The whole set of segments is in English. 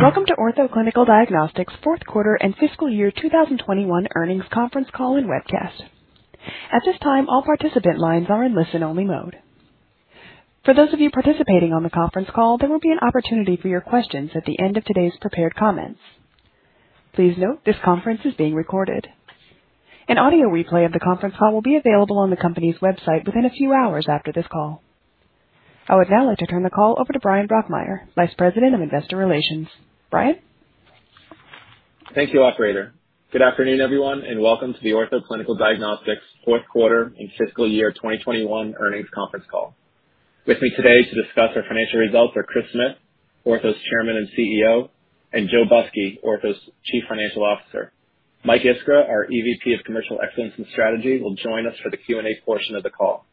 Welcome to Ortho Clinical Diagnostics fourth quarter and fiscal year 2021 earnings conference call and webcast. At this time, all participant lines are in listen-only mode. For those of you participating on the conference call, there will be an opportunity for your questions at the end of today's prepared comments. Please note this conference is being recorded. An audio replay of the conference call will be available on the company's website within a few hours after this call. I would now like to turn the call over to Bryan Ingram, Vice President of Investor Relations. Bryan. Thank you, operator. Good afternoon, everyone, and welcome to the Ortho Clinical Diagnostics fourth quarter and fiscal year 2021 earnings conference call. With me today to discuss our financial results are Chris Smith, Ortho's Chairman and CEO, and Joe Busky, Ortho's Chief Financial Officer. Mike Iskra, our EVP of Commercial Excellence and Strategy, will join us for the Q&A portion of the call.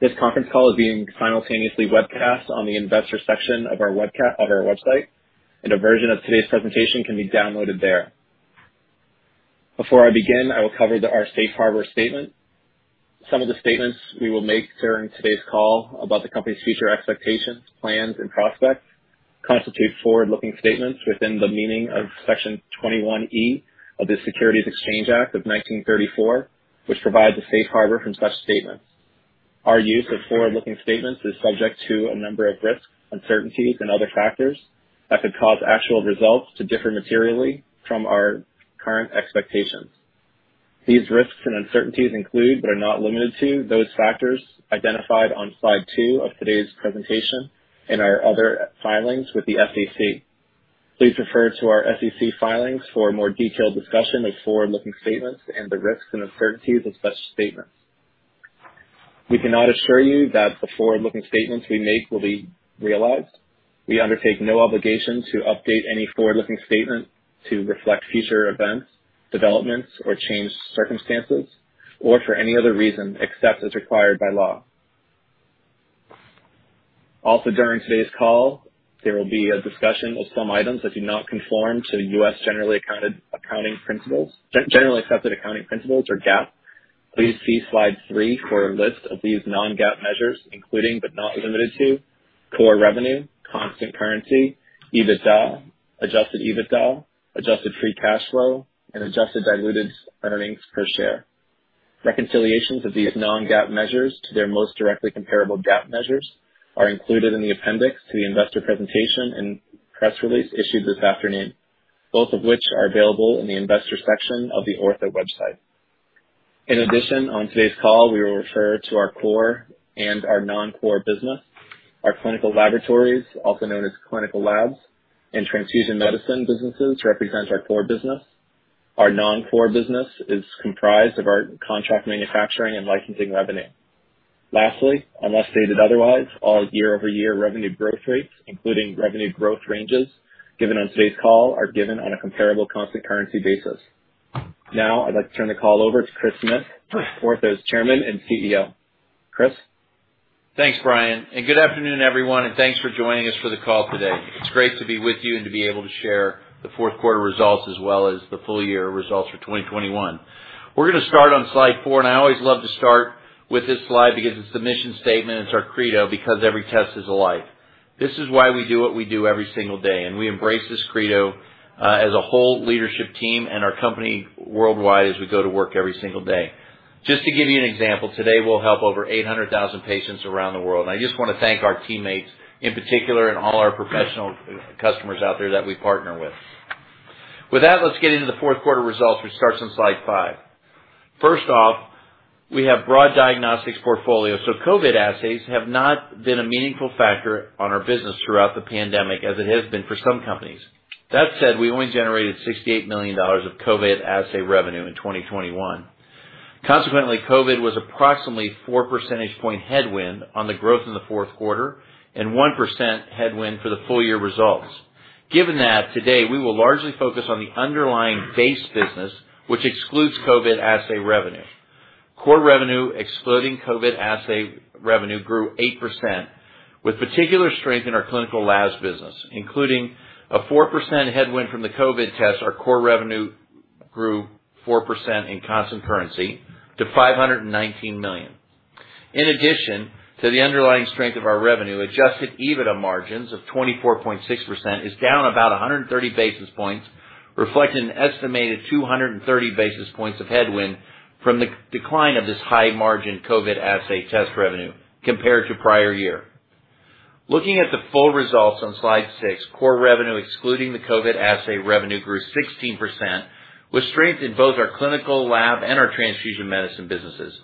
This conference call is being simultaneously webcast on the investor section of our website, and a version of today's presentation can be downloaded there. Before I begin, I will cover our safe harbor statement. Some of the statements we will make during today's call about the company's future expectations, plans, and prospects constitute forward-looking statements within the meaning of Section 21E of the Securities Exchange Act of 1934, which provides a safe harbor from such statements. Our use of forward-looking statements is subject to a number of risks, uncertainties, and other factors that could cause actual results to differ materially from our current expectations. These risks and uncertainties include, but are not limited to, those factors identified on slide two of today's presentation and our other filings with the SEC. Please refer to our SEC filings for a more detailed discussion of forward-looking statements and the risks and uncertainties of such statements. We cannot assure you that the forward-looking statements we make will be realized. We undertake no obligation to update any forward-looking statement to reflect future events, developments, or changed circumstances, or for any other reason, except as required by law. Also, during today's call, there will be a discussion of some items that do not conform to U.S. Generally Accepted Accounting Principles, or GAAP. Please see slide 3 for a list of these non-GAAP measures, including but not limited to core revenue, constant currency, EBITDA, adjusted EBITDA, adjusted free cash flow, and adjusted diluted earnings per share. Reconciliations of these non-GAAP measures to their most directly comparable GAAP measures are included in the appendix to the investor presentation and press release issued this afternoon, both of which are available in the investor section of the Ortho website. In addition, on today's call, we will refer to our core and our non-core business. Our clinical laboratories, also known as clinical labs and transfusion medicine businesses, represent our core business. Our non-core business is comprised of our contract manufacturing and licensing revenue. Lastly, unless stated otherwise, all year-over-year revenue growth rates, including revenue growth ranges given on today's call, are given on a comparable constant currency basis. Now I'd like to turn the call over to Chris Smith, Ortho's Chairman and CEO. Chris? Thanks, Bryan, and good afternoon, everyone, and thanks for joining us for the call today. It's great to be with you and to be able to share the fourth quarter results as well as the full year results for 2021. We're gonna start on slide 4, and I always love to start with this slide because it's the mission statement, it's our credo, because every test is a life. This is why we do what we do every single day, and we embrace this credo as a whole leadership team and our company worldwide as we go to work every single day. Just to give you an example, today we'll help over 800,000 patients around the world. I just wanna thank our teammates in particular and all our professional customers out there that we partner with. With that, let's get into the fourth quarter results, which starts on slide 5. First off, we have broad diagnostics portfolio, so COVID assays have not been a meaningful factor on our business throughout the pandemic as it has been for some companies. That said, we only generated $68 million of COVID assay revenue in 2021. Consequently, COVID was approximately 4 percentage point headwind on the growth in the fourth quarter and 1% headwind for the full year results. Given that, today we will largely focus on the underlying base business, which excludes COVID assay revenue. Core revenue excluding COVID assay revenue grew 8% with particular strength in our clinical labs business. Including a 4% headwind from the COVID test, our core revenue grew 4% in constant currency to $519 million. In addition to the underlying strength of our revenue, adjusted EBITDA margins of 24.6% is down about 130 basis points, reflecting an estimated 230 basis points of headwind from the decline of this high-margin COVID assay test revenue compared to prior year. Looking at the full results on slide 6, core revenue excluding the COVID assay revenue grew 16% with strength in both our clinical lab and our transfusion medicine businesses.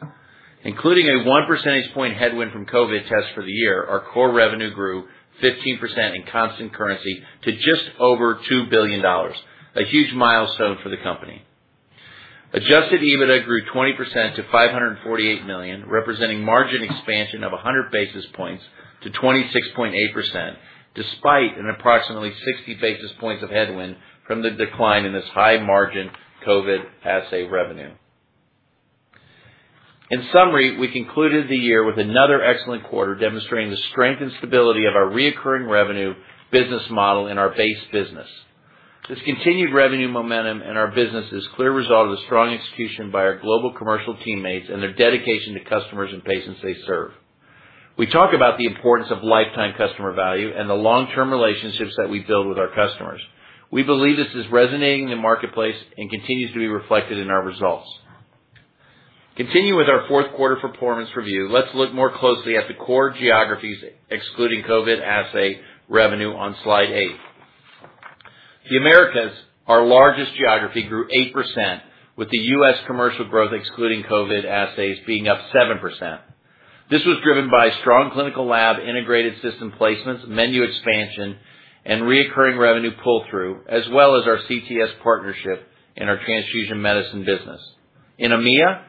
Including a 1 percentage point headwind from COVID tests for the year, our core revenue grew 15% in constant currency to just over $2 billion, a huge milestone for the company. Adjusted EBITDA grew 20% to $548 million, representing margin expansion of 100 basis points to 26.8%, despite an approximately 60 basis points of headwind from the decline in this high-margin COVID assay revenue. In summary, we concluded the year with another excellent quarter demonstrating the strength and stability of our recurring revenue business model in our base business. This continued revenue momentum in our business is a clear result of the strong execution by our global commercial teammates and their dedication to customers and patients they serve. We talk about the importance of lifetime customer value and the long-term relationships that we build with our customers. We believe this is resonating in the marketplace and continues to be reflected in our results. Continuing with our fourth quarter performance review, let's look more closely at the core geographies, excluding COVID assay revenue on slide 8. The Americas, our largest geography, grew 8%, with the U.S., commercial growth, excluding COVID assays, being up 7%. This was driven by strong clinical lab integrated system placements, menu expansion, and recurring revenue pull-through, as well as our CTS partnership in our transfusion medicine business. In EMEA,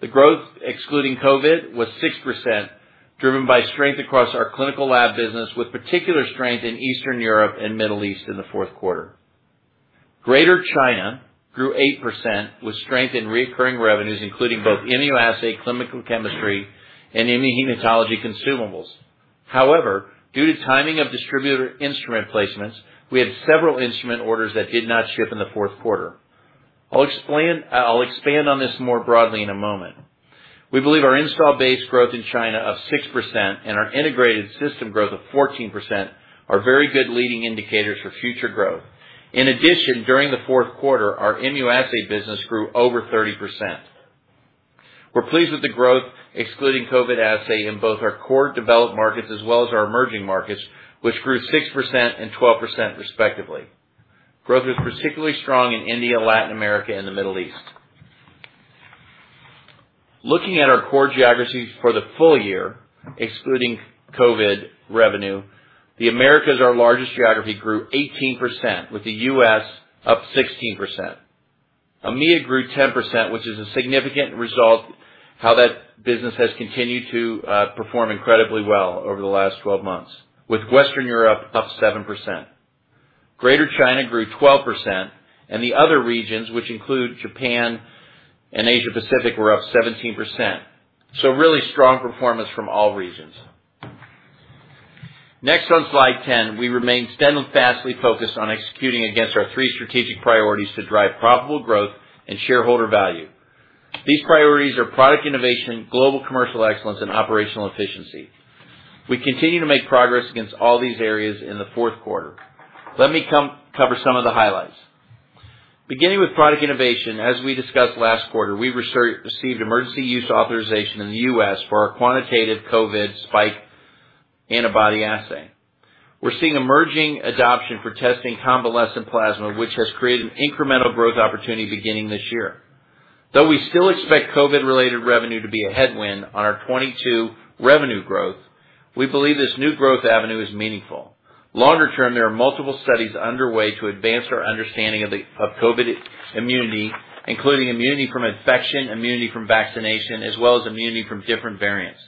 the growth excluding COVID was 6%, driven by strength across our clinical lab business, with particular strength in Eastern Europe and Middle East in the fourth quarter. Greater China grew 8% with strength in recurring revenues, including both immunoassay, clinical chemistry, and immunohematology consumables. However, due to timing of distributor instrument placements, we had several instrument orders that did not ship in the fourth quarter. I'll expand on this more broadly in a moment. We believe our install base growth in China of 6% and our integrated system growth of 14% are very good leading indicators for future growth. In addition, during the fourth quarter, our immunoassay business grew over 30%. We're pleased with the growth excluding COVID assay in both our core developed markets as well as our emerging markets, which grew 6% and 12%, respectively. Growth was particularly strong in India, Latin America, and the Middle East. Looking at our core geographies for the full year, excluding COVID revenue, the Americas, our largest geography, grew 18%, with the U.S., up 16%. EMEA grew 10%, which is a significant result given how that business has continued to perform incredibly well over the last 12 months, with Western Europe up 7%. Greater China grew 12%, and the other regions, which include Japan and Asia Pacific, were up 17%. Really strong performance from all regions. Next, on slide 10, we remain steadfastly focused on executing against our three strategic priorities to drive profitable growth and shareholder value. These priorities are product innovation, global commercial excellence, and operational efficiency. We continue to make progress against all these areas in the fourth quarter. Let me cover some of the highlights. Beginning with product innovation, as we discussed last quarter, we received emergency use authorization in the U.S., for our quantitative COVID spike antibody assay. We're seeing emerging adoption for testing convalescent plasma, which has created an incremental growth opportunity beginning this year. Though we still expect COVID-related revenue to be a headwind on our 2022 revenue growth, we believe this new growth avenue is meaningful. Longer term, there are multiple studies underway to advance our understanding of COVID immunity, including immunity from infection, immunity from vaccination, as well as immunity from different variants.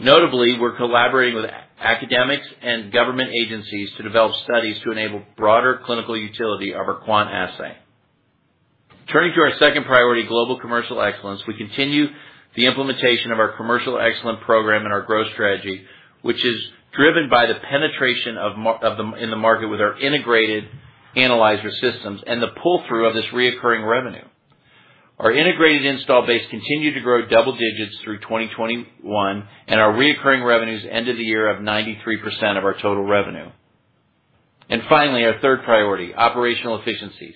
Notably, we're collaborating with academics and government agencies to develop studies to enable broader clinical utility of our quant assay. Turning to our second priority, global commercial excellence, we continue the implementation of our commercial excellence program and our growth strategy, which is driven by the penetration in the market with our integrated analyzer systems and the pull-through of this recurring revenue. Our integrated installed base continued to grow double digits through 2021, and our recurring revenues ended the year of 93% of our total revenue. Finally, our third priority, operational efficiencies.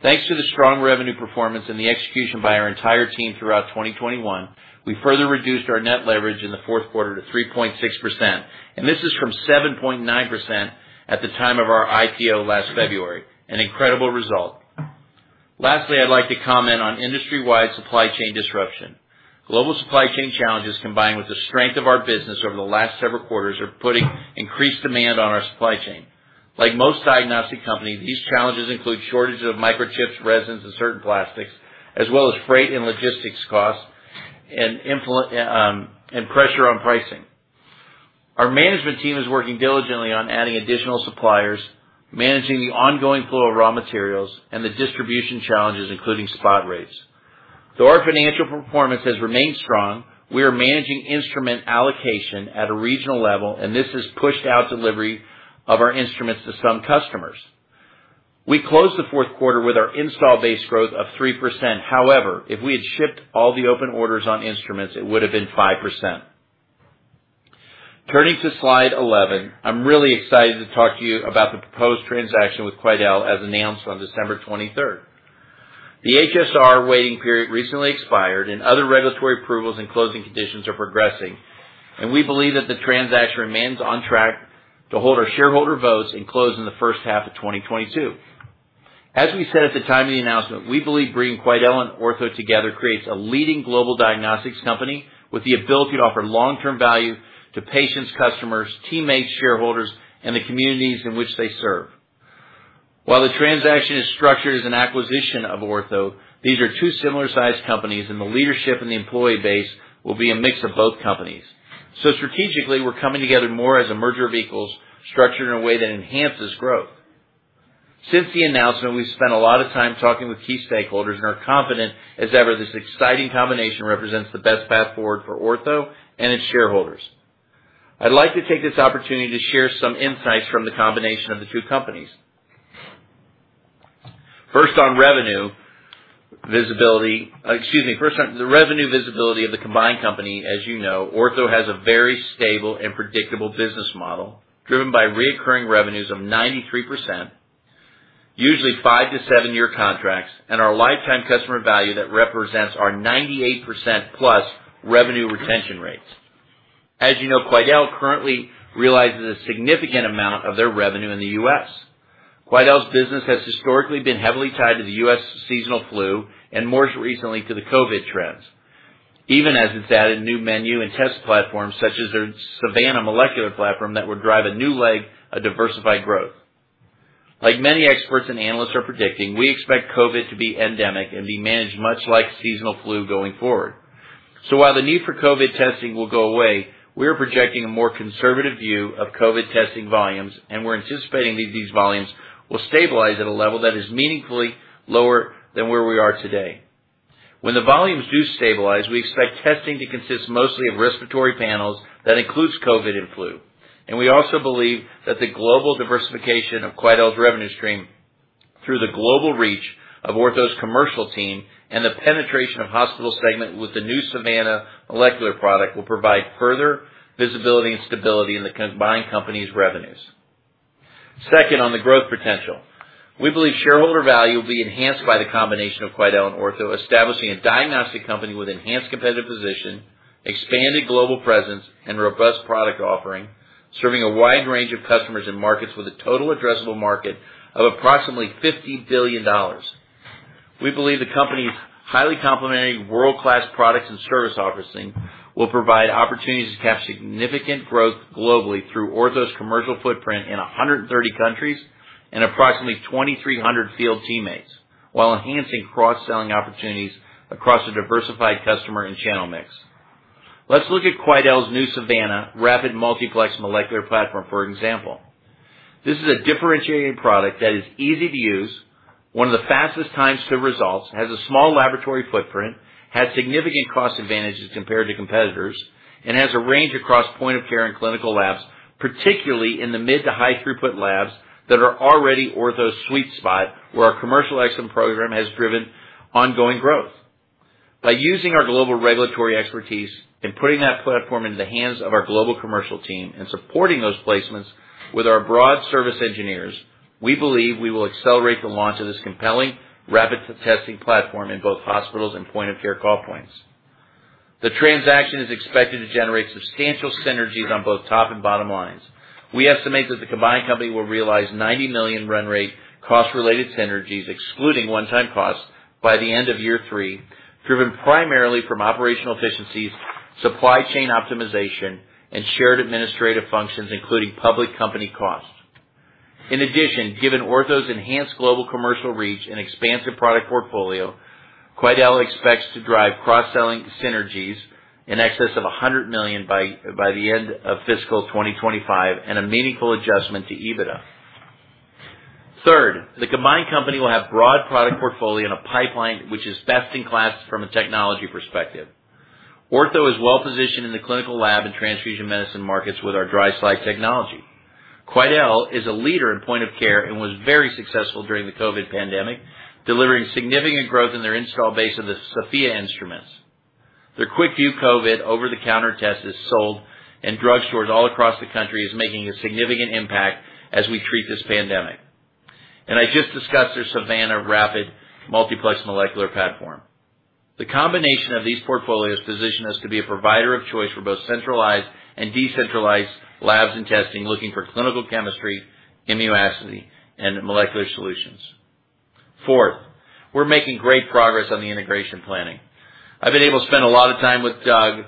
Thanks to the strong revenue performance and the execution by our entire team throughout 2021, we further reduced our net leverage in the fourth quarter to 3.6%, and this is from 7.9% at the time of our IPO last February, an incredible result. Lastly, I'd like to comment on industry-wide supply chain disruption. Global supply chain challenges, combined with the strength of our business over the last several quarters, are putting increased demand on our supply chain. Like most diagnostic companies, these challenges include shortages of microchips, resins, and certain plastics, as well as freight and logistics costs and pressure on pricing. Our management team is working diligently on adding additional suppliers, managing the ongoing flow of raw materials and the distribution challenges, including spot rates. Though our financial performance has remained strong, we are managing instrument allocation at a regional level, and this has pushed out delivery of our instruments to some customers. We closed the fourth quarter with our install base growth of 3%. However, if we had shipped all the open orders on instruments, it would have been 5%. Turning to slide 11, I'm really excited to talk to you about the proposed transaction with Quidel as announced on December twenty-third. The HSR waiting period recently expired, and other regulatory approvals and closing conditions are progressing, and we believe that the transaction remains on track to hold our shareholder votes and close in the first half of 2022. As we said at the time of the announcement, we believe bringing Quidel and Ortho together creates a leading global diagnostics company with the ability to offer long-term value to patients, customers, teammates, shareholders, and the communities in which they serve. While the transaction is structured as an acquisition of Ortho, these are two similar-sized companies, and the leadership and the employee base will be a mix of both companies. Strategically, we're coming together more as a merger of equals, structured in a way that enhances growth. Since the announcement, we've spent a lot of time talking with key stakeholders and are confident as ever this exciting combination represents the best path forward for Ortho and its shareholders. I'd like to take this opportunity to share some insights from the combination of the two companies. first on the revenue visibility of the combined company, as you know, Ortho has a very stable and predictable business model driven by recurring revenues of 93%, usually 5- to 7-year contracts, and our lifetime customer value that represents our 98%+ revenue retention rates. As you know, Quidel currently realizes a significant amount of their revenue in the U.S. Quidel's business has historically been heavily tied to the U.S. seasonal flu and more recently to the COVID trends, even as it's added new menu and test platforms such as their Savanna molecular platform that would drive a new leg of diversified growth. Like many experts and analysts are predicting, we expect COVID to be endemic and be managed much like seasonal flu going forward. While the need for COVID testing will go away, we are projecting a more conservative view of COVID testing volumes, and we're anticipating these volumes will stabilize at a level that is meaningfully lower than where we are today. When the volumes do stabilize, we expect testing to consist mostly of respiratory panels that includes COVID and flu. We also believe that the global diversification of Quidel's revenue stream through the global reach of Ortho's commercial team and the penetration of hospital segment with the new Savanna molecular product will provide further visibility and stability in the combined company's revenues. Second, on the growth potential. We believe shareholder value will be enhanced by the combination of Quidel and Ortho, establishing a diagnostic company with enhanced competitive position, expanded global presence, and robust product offering, serving a wide range of customers and markets with a total addressable market of approximately $50 billion. We believe the company's highly complementary world-class products and service offering will provide opportunities to capture significant growth globally through Ortho's commercial footprint in 130 countries and approximately 2,300 field teammates, while enhancing cross-selling opportunities across a diversified customer and channel mix. Let's look at Quidel's new Savanna rapid multiplex molecular platform, for example. This is a differentiated product that is easy to use, one of the fastest times to results, has a small laboratory footprint, has significant cost advantages compared to competitors, and has a range across point of care and clinical labs, particularly in the mid to high-throughput labs that are already Ortho's sweet spot where our commercialization program has driven ongoing growth. By using our global regulatory expertise and putting that platform in the hands of our global commercial team and supporting those placements with our broad service engineers, we believe we will accelerate the launch of this compelling rapid testing platform in both hospitals and point of care call points. The transaction is expected to generate substantial synergies on both top and bottom lines. We estimate that the combined company will realize $90 million run rate cost-related synergies, excluding one-time costs, by the end of year 3, driven primarily from operational efficiencies, supply chain optimization, and shared administrative functions, including public company costs. In addition, given Ortho's enhanced global commercial reach and expansive product portfolio, Quidel expects to drive cross-selling synergies in excess of $100 million by the end of fiscal 2025 and a meaningful adjustment to EBITDA. Third, the combined company will have broad product portfolio and a pipeline which is best in class from a technology perspective. Ortho is well-positioned in the clinical lab and transfusion medicine markets with our dry slide technology. Quidel is a leader in point of care and was very successful during the COVID pandemic, delivering significant growth in their installed base of the Sofia instruments. Their QuickVue COVID over-the-counter test is sold in drugstores all across the country, is making a significant impact as we treat this pandemic. I just discussed their Savanna rapid multiplex molecular platform. The combination of these portfolios position us to be a provider of choice for both centralized and decentralized labs and testing, looking for clinical chemistry, immunoassays, and molecular solutions. Fourth, we're making great progress on the integration planning. I've been able to spend a lot of time with Doug,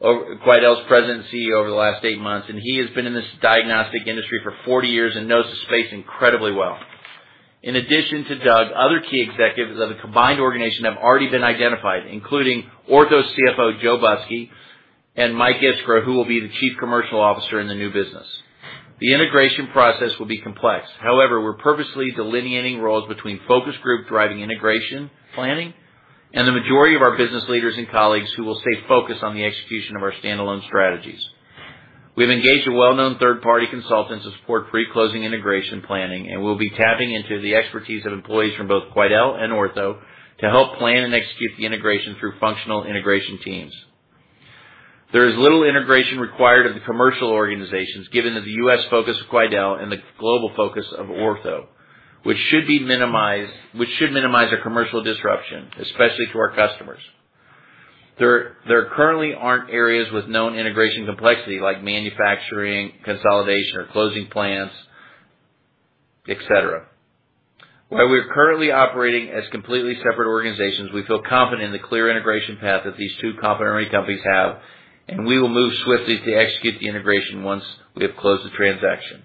Quidel's President and CEO, over the last 8 months, and he has been in this diagnostic industry for 40 years and knows the space incredibly well. In addition to Doug, other key executives of the combined organization have already been identified, including Ortho's CFO, Joe Busky, and Mike Iskra, who will be the chief commercial officer in the new business. The integration process will be complex. However, we're purposely delineating roles between focus group driving integration planning and the majority of our business leaders and colleagues who will stay focused on the execution of our standalone strategies. We have engaged a well-known third-party consultant to support pre-closing integration planning, and we'll be tapping into the expertise of employees from both Quidel and Ortho to help plan and execute the integration through functional integration teams. There is little integration required of the commercial organizations, given that the U.S., focus of Quidel and the global focus of Ortho, which should minimize our commercial disruption, especially to our customers. There currently aren't areas with known integration complexity like manufacturing, consolidation or closing plants, et cetera. While we're currently operating as completely separate organizations, we feel confident in the clear integration path that these two complementary companies have, and we will move swiftly to execute the integration once we have closed the transaction.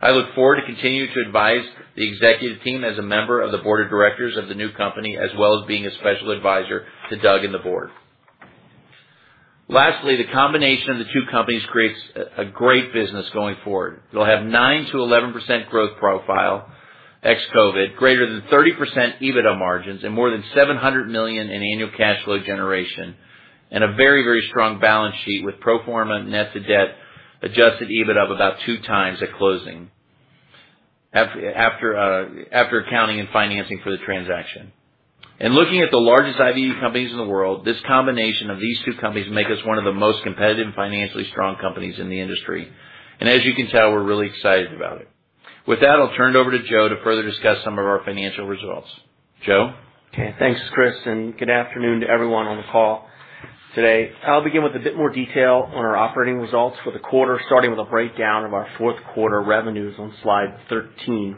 I look forward to continuing to advise the executive team as a member of the board of directors of the new company, as well as being a special advisor to Doug and the board. Lastly, the combination of the two companies creates a great business going forward. It'll have 9%-11% growth profile ex-COVID, greater than 30% EBITDA margins and more than $700 million in annual cash flow generation, and a very strong balance sheet with pro forma net debt adjusted EBITDA of about 2x at closing, after accounting and financing for the transaction. In looking at the largest IVD companies in the world, this combination of these two companies make us one of the most competitive financially strong companies in the industry. As you can tell, we're really excited about it. With that, I'll turn it over to Joe to further discuss some of our financial results. Joe? Okay. Thanks, Chris, and good afternoon to everyone on the call today. I'll begin with a bit more detail on our operating results for the quarter, starting with a breakdown of our fourth quarter revenues on slide 13.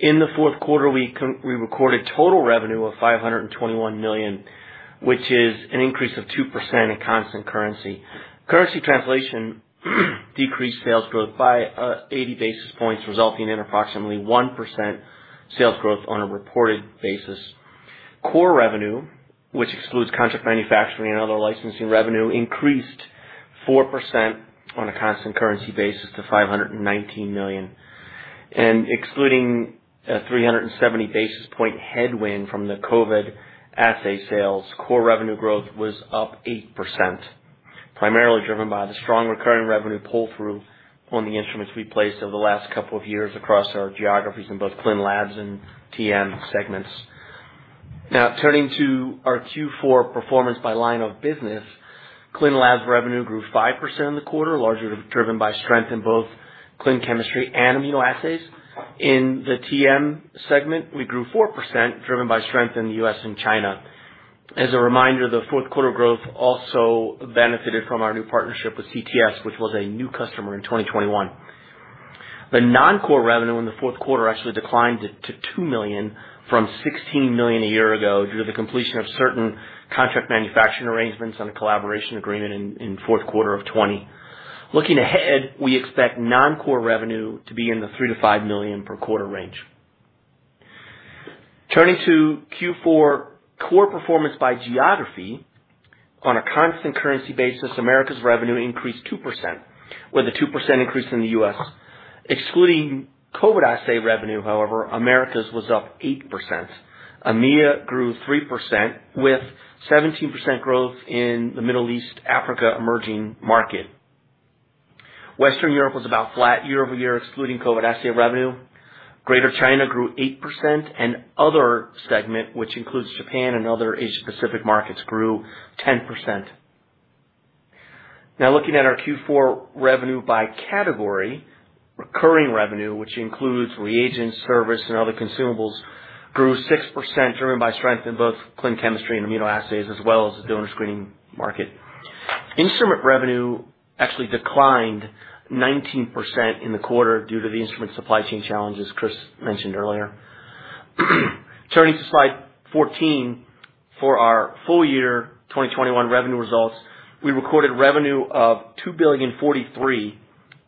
In the fourth quarter, we recorded total revenue of $521 million, which is an increase of 2% in constant currency. Currency translation decreased sales growth by 80 basis points, resulting in approximately 1% sales growth on a reported basis. Core revenue, which excludes contract manufacturing and other licensing revenue, increased 4% on a constant currency basis to $519 million. Excluding a 370 basis point headwind from the COVID assay sales, core revenue growth was up 8%, primarily driven by the strong recurring revenue pull-through on the instruments we placed over the last couple of years across our geographies in both clinical labs and TM segments. Now turning to our Q4 performance by line of business. Clinical labs revenue grew 5% in the quarter, largely driven by strength in both clinical chemistry and immunoassays. In the TM segment, we grew 4%, driven by strength in the U.S., and China. As a reminder, the fourth quarter growth also benefited from our new partnership with CTS, which was a new customer in 2021. The non-core revenue in the fourth quarter actually declined to two million from sixteen million a year ago due to the completion of certain contract manufacturing arrangements on a collaboration agreement in fourth quarter of 2020. Looking ahead, we expect non-core revenue to be in the $3 million-$5 million per quarter range. Turning to Q4 core performance by geography. On a constant currency basis, Americas revenue increased 2%, with a 2% increase in the U.S. Excluding COVID assay revenue, however, Americas was up 8%. EMEA grew 3%, with 17% growth in the Middle East, Africa emerging market. Western Europe was about flat year over year, excluding COVID assay revenue. Greater China grew 8%, and other segment, which includes Japan and other Asia Pacific markets, grew 10%. Now looking at our Q4 revenue by category. Recurring revenue, which includes reagents, service, and other consumables, grew 6% driven by strength in both clinical chemistry and immunoassays, as well as the donor screening market. Instrument revenue actually declined 19% in the quarter due to the instrument supply chain challenges Chris mentioned earlier. Turning to slide 14, for our full year 2021 revenue results. We recorded revenue of $2.043 billion,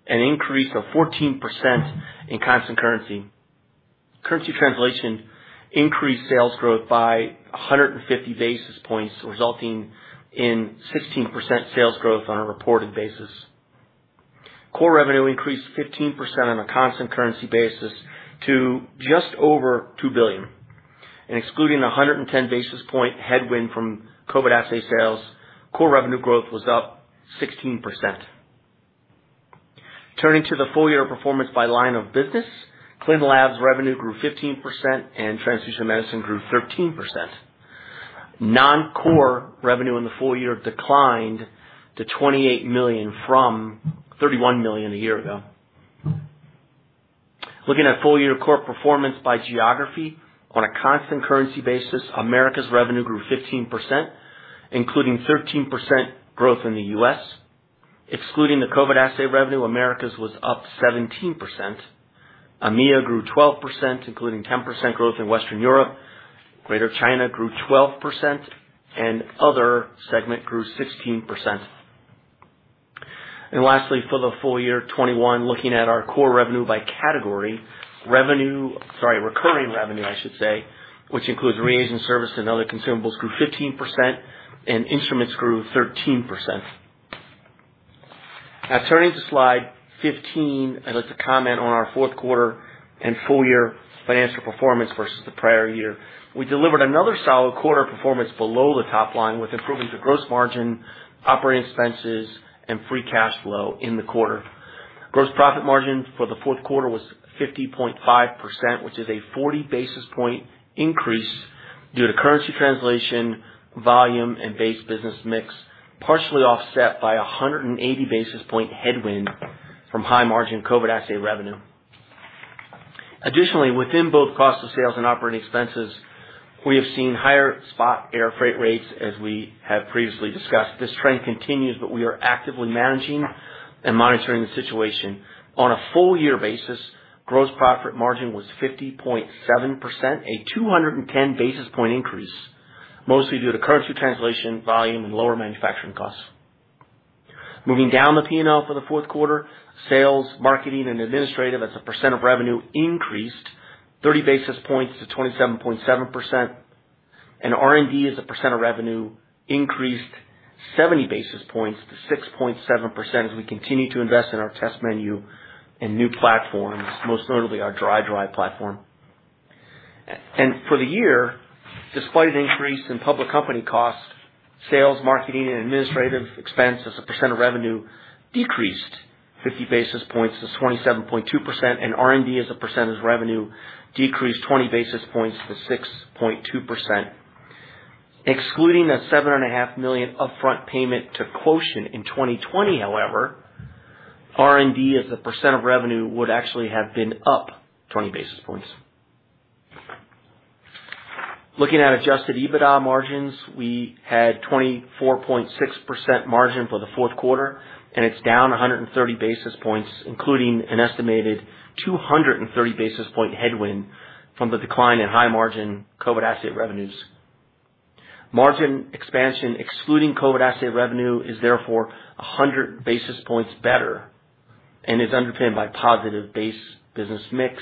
an increase of 14% in constant currency. Currency translation increased sales growth by 150 basis points, resulting in 16% sales growth on a reported basis. Core revenue increased 15% on a constant currency basis to just over $2 billion. In excluding a 110 basis point headwind from COVID assay sales, core revenue growth was up 16%. Turning to the full year performance by line of business. Clinical Labs revenue grew 15% and transfusion medicine grew 13%. Non-core revenue in the full year declined to $28 million from $31 million a year ago. Looking at full year core performance by geography. On a constant currency basis, Americas revenue grew 15%, including 13% growth in the U.S. Excluding the COVID assay revenue, Americas was up 17%. EMEA grew 12%, including 10% growth in Western Europe. Greater China grew 12% and other segment grew 16%. Lastly, for the full year 2021, looking at our core revenue by category. Recurring revenue, I should say, which includes reagent service and other consumables, grew 15% and instruments grew 13%. Now turning to slide 15, I'd like to comment on our fourth quarter and full year financial performance versus the prior year. We delivered another solid quarter performance below the top line, with improvements of gross margin, operating expenses, and free cash flow in the quarter. Gross profit margin for the fourth quarter was 50.5%, which is a 40 basis point increase due to currency translation, volume, and base business mix, partially offset by a 180 basis point headwind from high-margin COVID assay revenue. Additionally, within both cost of sales and operating expenses, we have seen higher spot air freight rates as we have previously discussed. This trend continues, but we are actively managing and monitoring the situation. On a full year basis, gross profit margin was 50.7%, a 210 basis point increase, mostly due to currency translation volume and lower manufacturing costs. Moving down the P&L for the fourth quarter. Sales, marketing, and administrative as a percent of revenue increased 30 basis points to 27.7%. R&D as a percent of revenue increased 70 basis points to 6.7% as we continue to invest in our test menu and new platforms, most notably our dry slide platform. For the year, despite an increase in public company costs, sales, marketing and administrative expense as a percent of revenue decreased 50 basis points to 27.2%, and R&D as a percent of revenue decreased 20 basis points to 6.2%. Excluding the $7.5 million upfront payment to Quotient in 2020 however, R&D as a percent of revenue would actually have been up 20 basis points. Looking at adjusted EBITDA margins, we had 24.6% margin for the fourth quarter, and it's down 130 basis points, including an estimated 230 basis points headwind from the decline in high margin COVID asset revenues. Margin expansion, excluding COVID asset revenue, is therefore 100 basis points better and is underpinned by positive base business mix,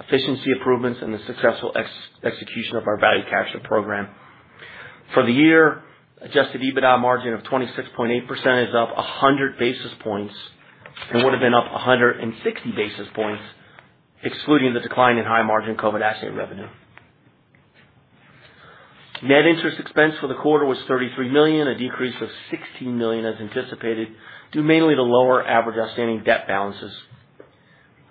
efficiency improvements, and the successful execution of our value capture program. For the year, adjusted EBITDA margin of 26.8% is up 100 basis points and would have been up 160 basis points excluding the decline in high margin COVID asset revenue. Net interest expense for the quarter was $33 million, a decrease of $16 million as anticipated, due mainly to lower average outstanding debt balances.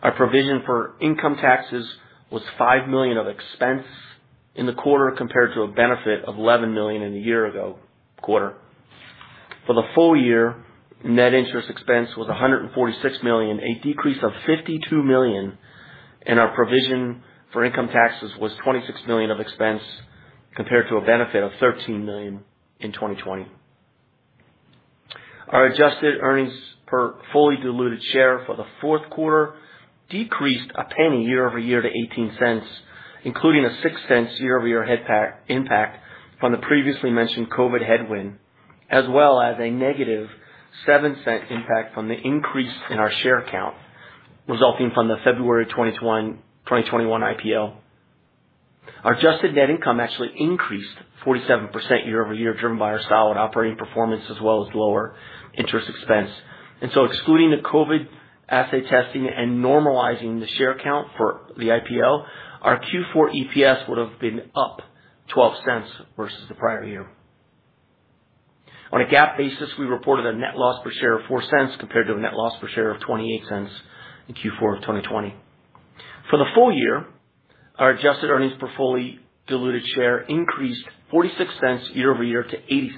Our provision for income taxes was $5 million of expense in the quarter, compared to a benefit of $11 million in the year-ago quarter. For the full year, net interest expense was $146 million, a decrease of $52 million, and our provision for income taxes was $26 million of expense, compared to a benefit of $13 million in 2020. Our adjusted earnings per fully diluted share for the fourth quarter decreased $0.01 year-over-year to $0.18, including a $0.06 year-over-year impact from the previously mentioned COVID headwind, as well as a negative $0.07 impact from the increase in our share count, resulting from the February 2021 IPO. Our adjusted net income actually increased 47% year-over-year, driven by our solid operating performance as well as lower interest expense. Excluding the COVID assay testing and normalizing the share count for the IPO, our Q4 EPS would have been up $0.12 versus the prior year. On a GAAP basis, we reported a net loss per share of $0.04, compared to a net loss per share of $0.28 in Q4 of 2020. For the full year, our adjusted earnings per fully diluted share increased $0.46 year-over-year to $0.80,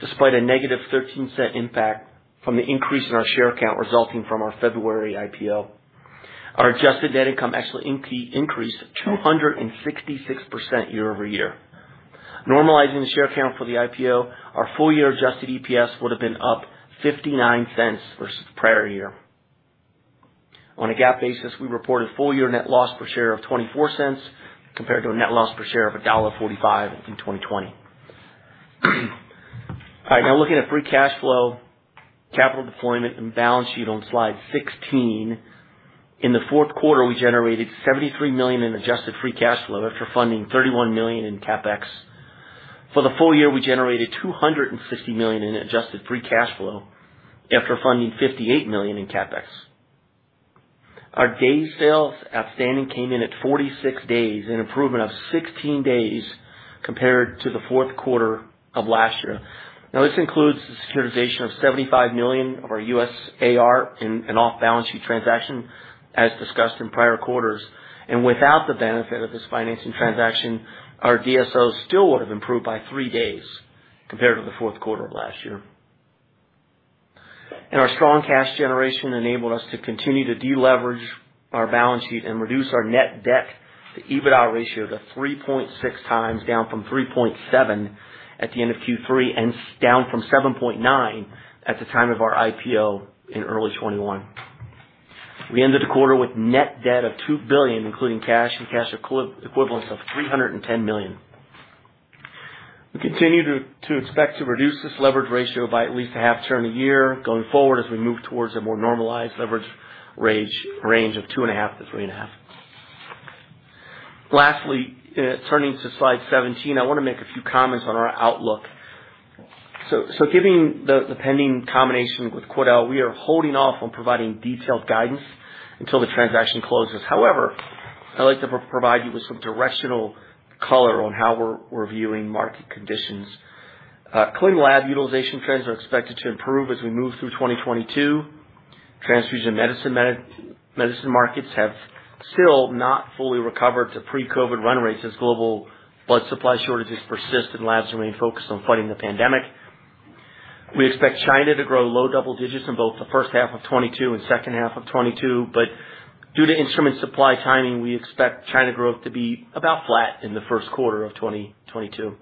despite a negative $0.13 impact from the increase in our share count, resulting from our February IPO. Our adjusted net income actually increased 266% year-over-year. Normalizing the share count for the IPO, our full year adjusted EPS would have been up $0.59 versus the prior year. On a GAAP basis, we reported full year net loss per share of $0.24 compared to a net loss per share of $1.45 in 2020. All right. Now looking at free cash flow, capital deployment and balance sheet on slide 16. In the fourth quarter, we generated $73 million in adjusted free cash flow after funding $31 million in CapEx. For the full year, we generated $260 million in adjusted free cash flow after funding $58 million in CapEx. Our day sales outstanding came in at 46 days, an improvement of 16 days compared to the fourth quarter of last year. Now, this includes the securitization of $75 million of our U.S. AR in an off-balance sheet transaction, as discussed in prior quarters. Without the benefit of this financing transaction, our DSO still would have improved by three days compared to the fourth quarter of last year. Our strong cash generation enabled us to continue to deleverage our balance sheet and reduce our net debt to EBITDA ratio to 3.6 times, down from 3.7 at the end of Q3, and down from 7.9 at the time of our IPO in early 2021. We ended the quarter with net debt of $2 billion, including cash and cash equivalents of $310 million. We continue to expect to reduce this leverage ratio by at least half a turn a year going forward as we move towards a more normalized leverage range of 2.5-3.5. Lastly, turning to slide 17, I wanna make a few comments on our outlook. Giving the pending combination with Quidel, we are holding off on providing detailed guidance until the transaction closes. However, I'd like to provide you with some directional color on how we're viewing market conditions. Clinical lab utilization trends are expected to improve as we move through 2022. Transfusion medicine markets have still not fully recovered to pre-COVID run rates as global blood supply shortages persist and labs remain focused on fighting the pandemic. We expect China to grow low double digits in both the first half of 2022 and second half of 2022, but due to instrument supply timing, we expect China growth to be about flat in the first quarter of 2022.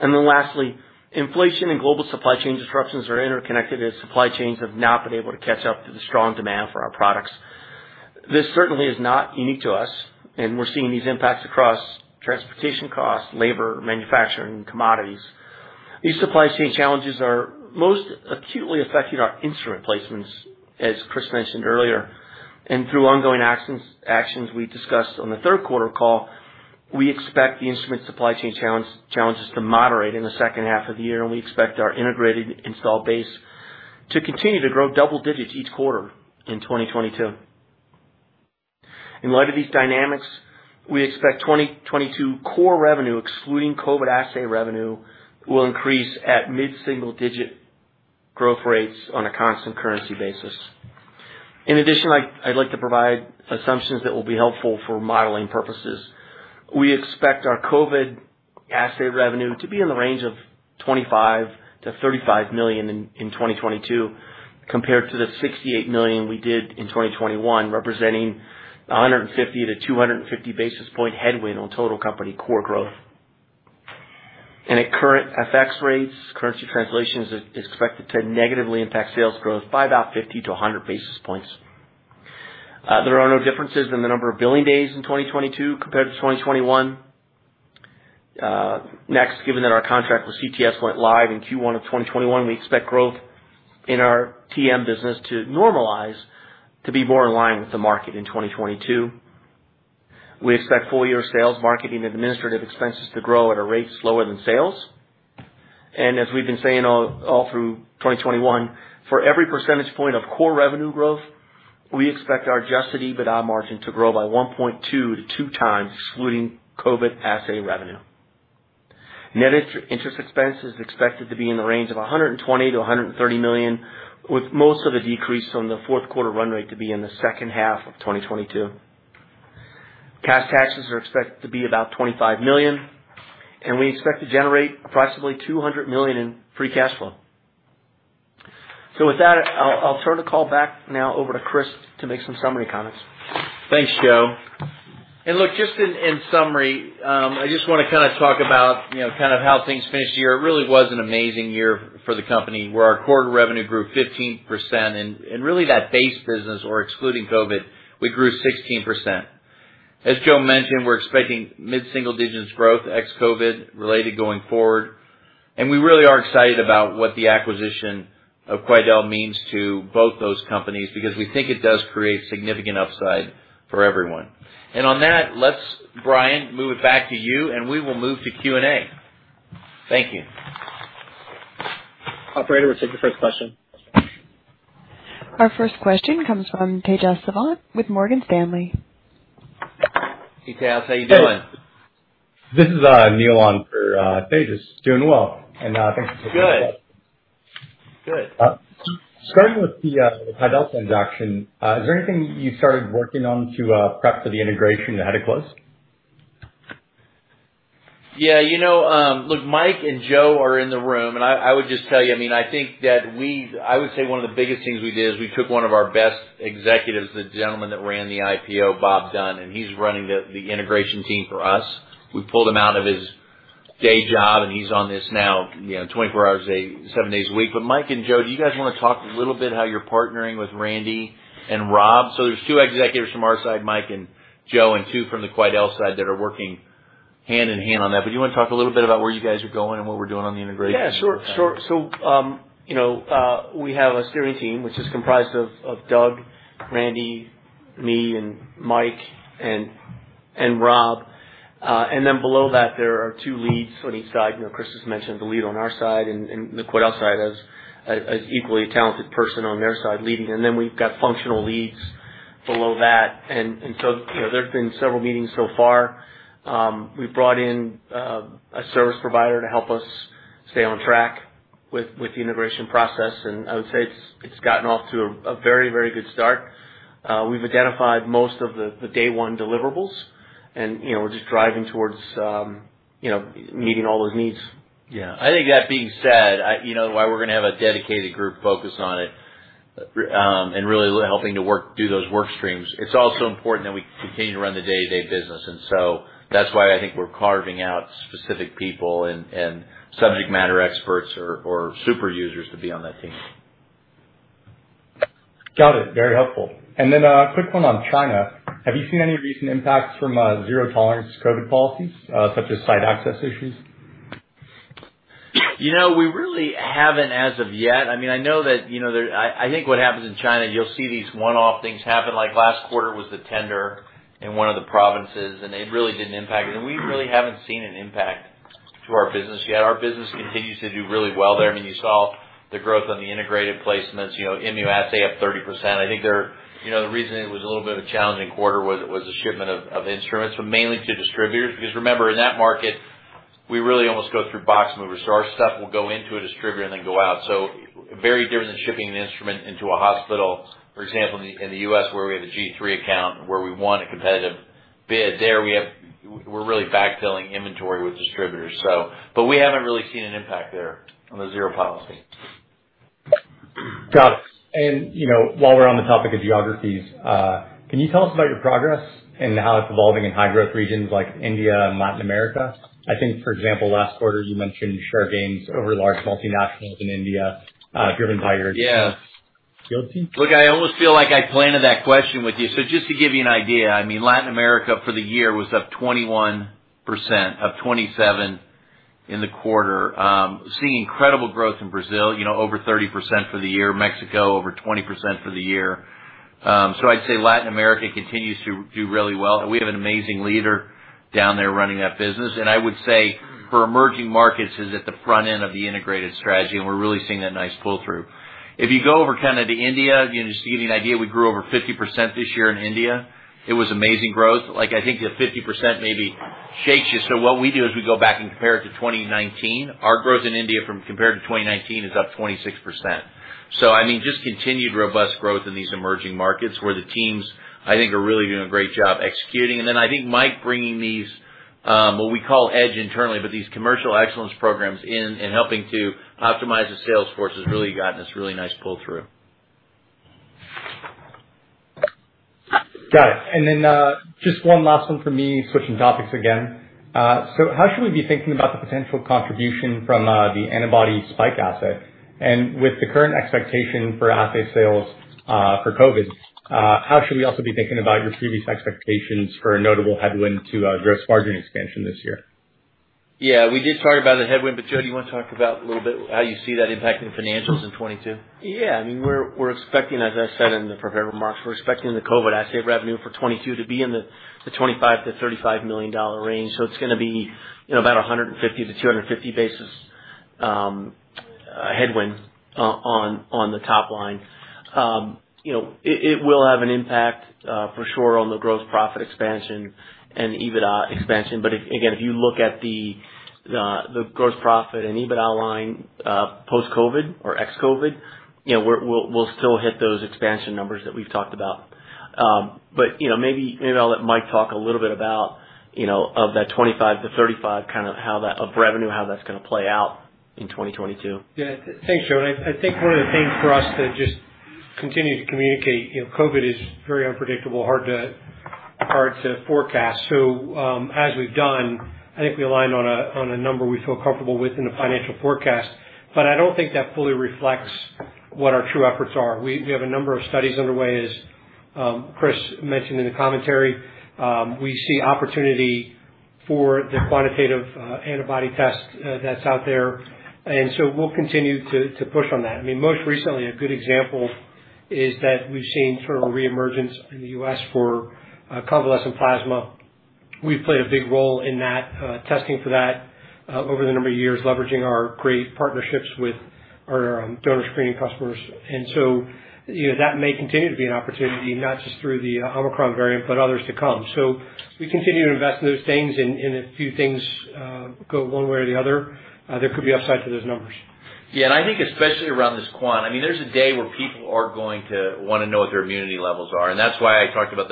Lastly, inflation and global supply chain disruptions are interconnected as supply chains have not been able to catch up to the strong demand for our products. This certainly is not unique to us, and we're seeing these impacts across transportation costs, labor, manufacturing, and commodities. These supply chain challenges are most acutely affecting our instrument placements, as Chris mentioned earlier. Through ongoing actions we discussed on the third quarter call, we expect the instrument supply chain challenges to moderate in the second half of the year, and we expect our integrated install base to continue to grow double digits each quarter in 2022. In light of these dynamics, we expect 2022 core revenue, excluding COVID assay revenue, will increase at mid-single digit growth rates on a constant currency basis. In addition, I'd like to provide assumptions that will be helpful for modeling purposes. We expect our COVID assay revenue to be in the range of $25 million-$35 million in 2022, compared to the $68 million we did in 2021, representing a 150-250 basis point headwind on total company core growth. At current FX rates, currency translation is expected to negatively impact sales growth by about 50-100 basis points. There are no differences in the number of billing days in 2022 compared to 2021. Next, given that our contract with CTS went live in Q1 of 2021, we expect growth in our TM business to normalize to be more in line with the market in 2022. We expect full-year sales, marketing, and administrative expenses to grow at a rate slower than sales. We've been saying all through 2021, for every percentage point of core revenue growth, we expect our adjusted EBITDA margin to grow by 1.2 to 2 times, excluding COVID assay revenue. Net interest expense is expected to be in the range of $120 million-$130 million, with most of the decrease from the fourth quarter run rate to be in the second half of 2022. Cash taxes are expected to be about $25 million, and we expect to generate approximately $200 million in free cash flow. With that, I'll turn the call back now over to Chris to make some summary comments. Thanks, Joe. Look, just in summary, I just wanna kind of talk about, you know, kind of how things finished the year. It really was an amazing year for the company, where our core revenue grew 15% and really that base business, or excluding COVID, we grew 16%. As Joe mentioned, we're expecting mid-single digits growth, ex-COVID related, going forward. We really are excited about what the acquisition of Quidel means to both those companies, because we think it does create significant upside for everyone. On that, let's, Bryan, move it back to you, and we will move to Q&A. Thank you. Operator, we'll take the first question. Our first question comes from Tejas Savant with Morgan Stanley. Tejas, how you doing? This is Neil on for Tejas. Doing well. Thanks for taking my call. Good. Good. Starting with the Quidel transaction, is there anything you started working on to prep for the integration ahead of close? Yeah. You know, look, Mike and Joe are in the room, and I would just tell you, I mean, I think that we would say one of the biggest things we did is we took one of our best executives, the gentleman that ran the IPO, Bob Dunn, and he's running the integration team for us. We pulled him out of his day job, and he's on this now, you know, 24 hours a day, 7 days a week. But Mike and Joe, do you guys want to talk a little bit how you're partnering with Randy and Rob? There's two executives from our side, Mike and Joe, and two from the Quidel side that are working hand in hand on that. Do you want to talk a little bit about where you guys are going and what we're doing on the integration? Yeah. Sure. You know, we have a steering team, which is comprised of Doug, Randy, me, and Mike, and Rob. Then below that, there are two leads on each side. You know, Chris has mentioned the lead on our side, and the Quidel side has a equally talented person on their side leading. Then we've got functional leads below that. You know, there have been several meetings so far. We've brought in a service provider to help us stay on track with the integration process. I would say it's gotten off to a very good start. We've identified most of the day one deliverables and, you know, we're just driving towards meeting all those needs. Yeah. I think that being said, you know, while we're gonna have a dedicated group focused on it, and really helping to do those work streams, it's also important that we continue to run the day-to-day business. That's why I think we're carving out specific people and subject matter experts or super users to be on that team. Got it. Very helpful. Quick one on China. Have you seen any recent impacts from zero tolerance COVID policies, such as site access issues? You know, we really haven't as of yet. I mean, I know that, you know, there I think what happens in China, you'll see these one-off things happen, like last quarter was the tender in one of the provinces, and it really didn't impact it. We really haven't seen an impact to our business yet. Our business continues to do really well there. I mean, you saw the growth on the integrated placements, you know, immunoassay up 30%. I think there, you know, the reason it was a little bit of a challenging quarter was the shipment of instruments, but mainly to distributors. Because remember, in that market, we really almost go through box movers. So our stuff will go into a distributor and then go out. Very different than shipping an instrument into a hospital, for example, in the U.S., where we have a G3 account where we won a competitive bid. We're really backfilling inventory with distributors. We haven't really seen an impact there on the zero policy. Got it. You know, while we're on the topic of geographies, can you tell us about your progress and how it's evolving in high growth regions like India and Latin America? I think, for example, last quarter, you mentioned share gains over large multinationals in India, driven by your- Look, I almost feel like I planted that question with you. Just to give you an idea, I mean, Latin America for the year was up 21%, up 27% in the quarter. Seeing incredible growth in Brazil, you know, over 30% for the year, Mexico over 20% for the year. So I'd say Latin America continues to do really well. We have an amazing leader down there running that business. I would say for emerging markets is at the front end of the integrated strategy, and we're really seeing that nice pull-through. If you go over kind of to India, you know, just to give you an idea, we grew over 50% this year in India. It was amazing growth. Like, I think the 50% maybe shakes you. What we do is we go back and compare it to 2019. Our growth in India compared to 2019 is up 26%. I mean, just continued robust growth in these emerging markets where the teams I think are really doing a great job executing. Then I think Mike bringing these, what we call enGen internally, but these commercial excellence programs in helping to optimize the sales force has really gotten this really nice pull-through. Got it. Just one last one for me, switching topics again. How should we be thinking about the potential contribution from the antibody spike asset? With the current expectation for assay sales for COVID, how should we also be thinking about your previous expectations for a notable headwind to gross margin expansion this year? Yeah, we did talk about the headwind, but Joe, do you want to talk about a little bit how you see that impacting financials in 2022? Yeah. I mean, we're expecting, as I said in the prepared remarks, the COVID-19 assay revenue for 2022 to be in the $25 million-$35 million range. So it's gonna be, you know, about a 150-250 basis points headwind on the top line. You know, it will have an impact for sure on the gross profit expansion and EBITDA expansion. But if again you look at the gross profit and EBITDA line post-COVID or ex-COVID, you know, we'll still hit those expansion numbers that we've talked about. But you know, maybe I'll let Mike talk a little bit about, you know, of that $25 million-$35 million, kind of how that of revenue, how that's gonna play out in 2022. Yeah. Thanks, Joe. I think one of the things for us to just continue to communicate, you know, COVID is very unpredictable, hard to forecast. As we've done, I think we aligned on a number we feel comfortable with in the financial forecast, but I don't think that fully reflects what our true efforts are. We have a number of studies underway, as Chris mentioned in the commentary. We see opportunity for the quantitative antibody test that's out there. We'll continue to push on that. I mean, most recently a good example is that we've seen sort of a reemergence in the U.S., for convalescent plasma. We've played a big role in that testing for that over the number of years, leveraging our great partnerships with our donor screening customers. You know, that may continue to be an opportunity, not just through the Omicron variant, but others to come. We continue to invest in those things. If few things go one way or the other, there could be upside to those numbers. Yeah. I think especially around this quant, I mean, there's a day where people are going to wanna know what their immunity levels are. That's why I talked about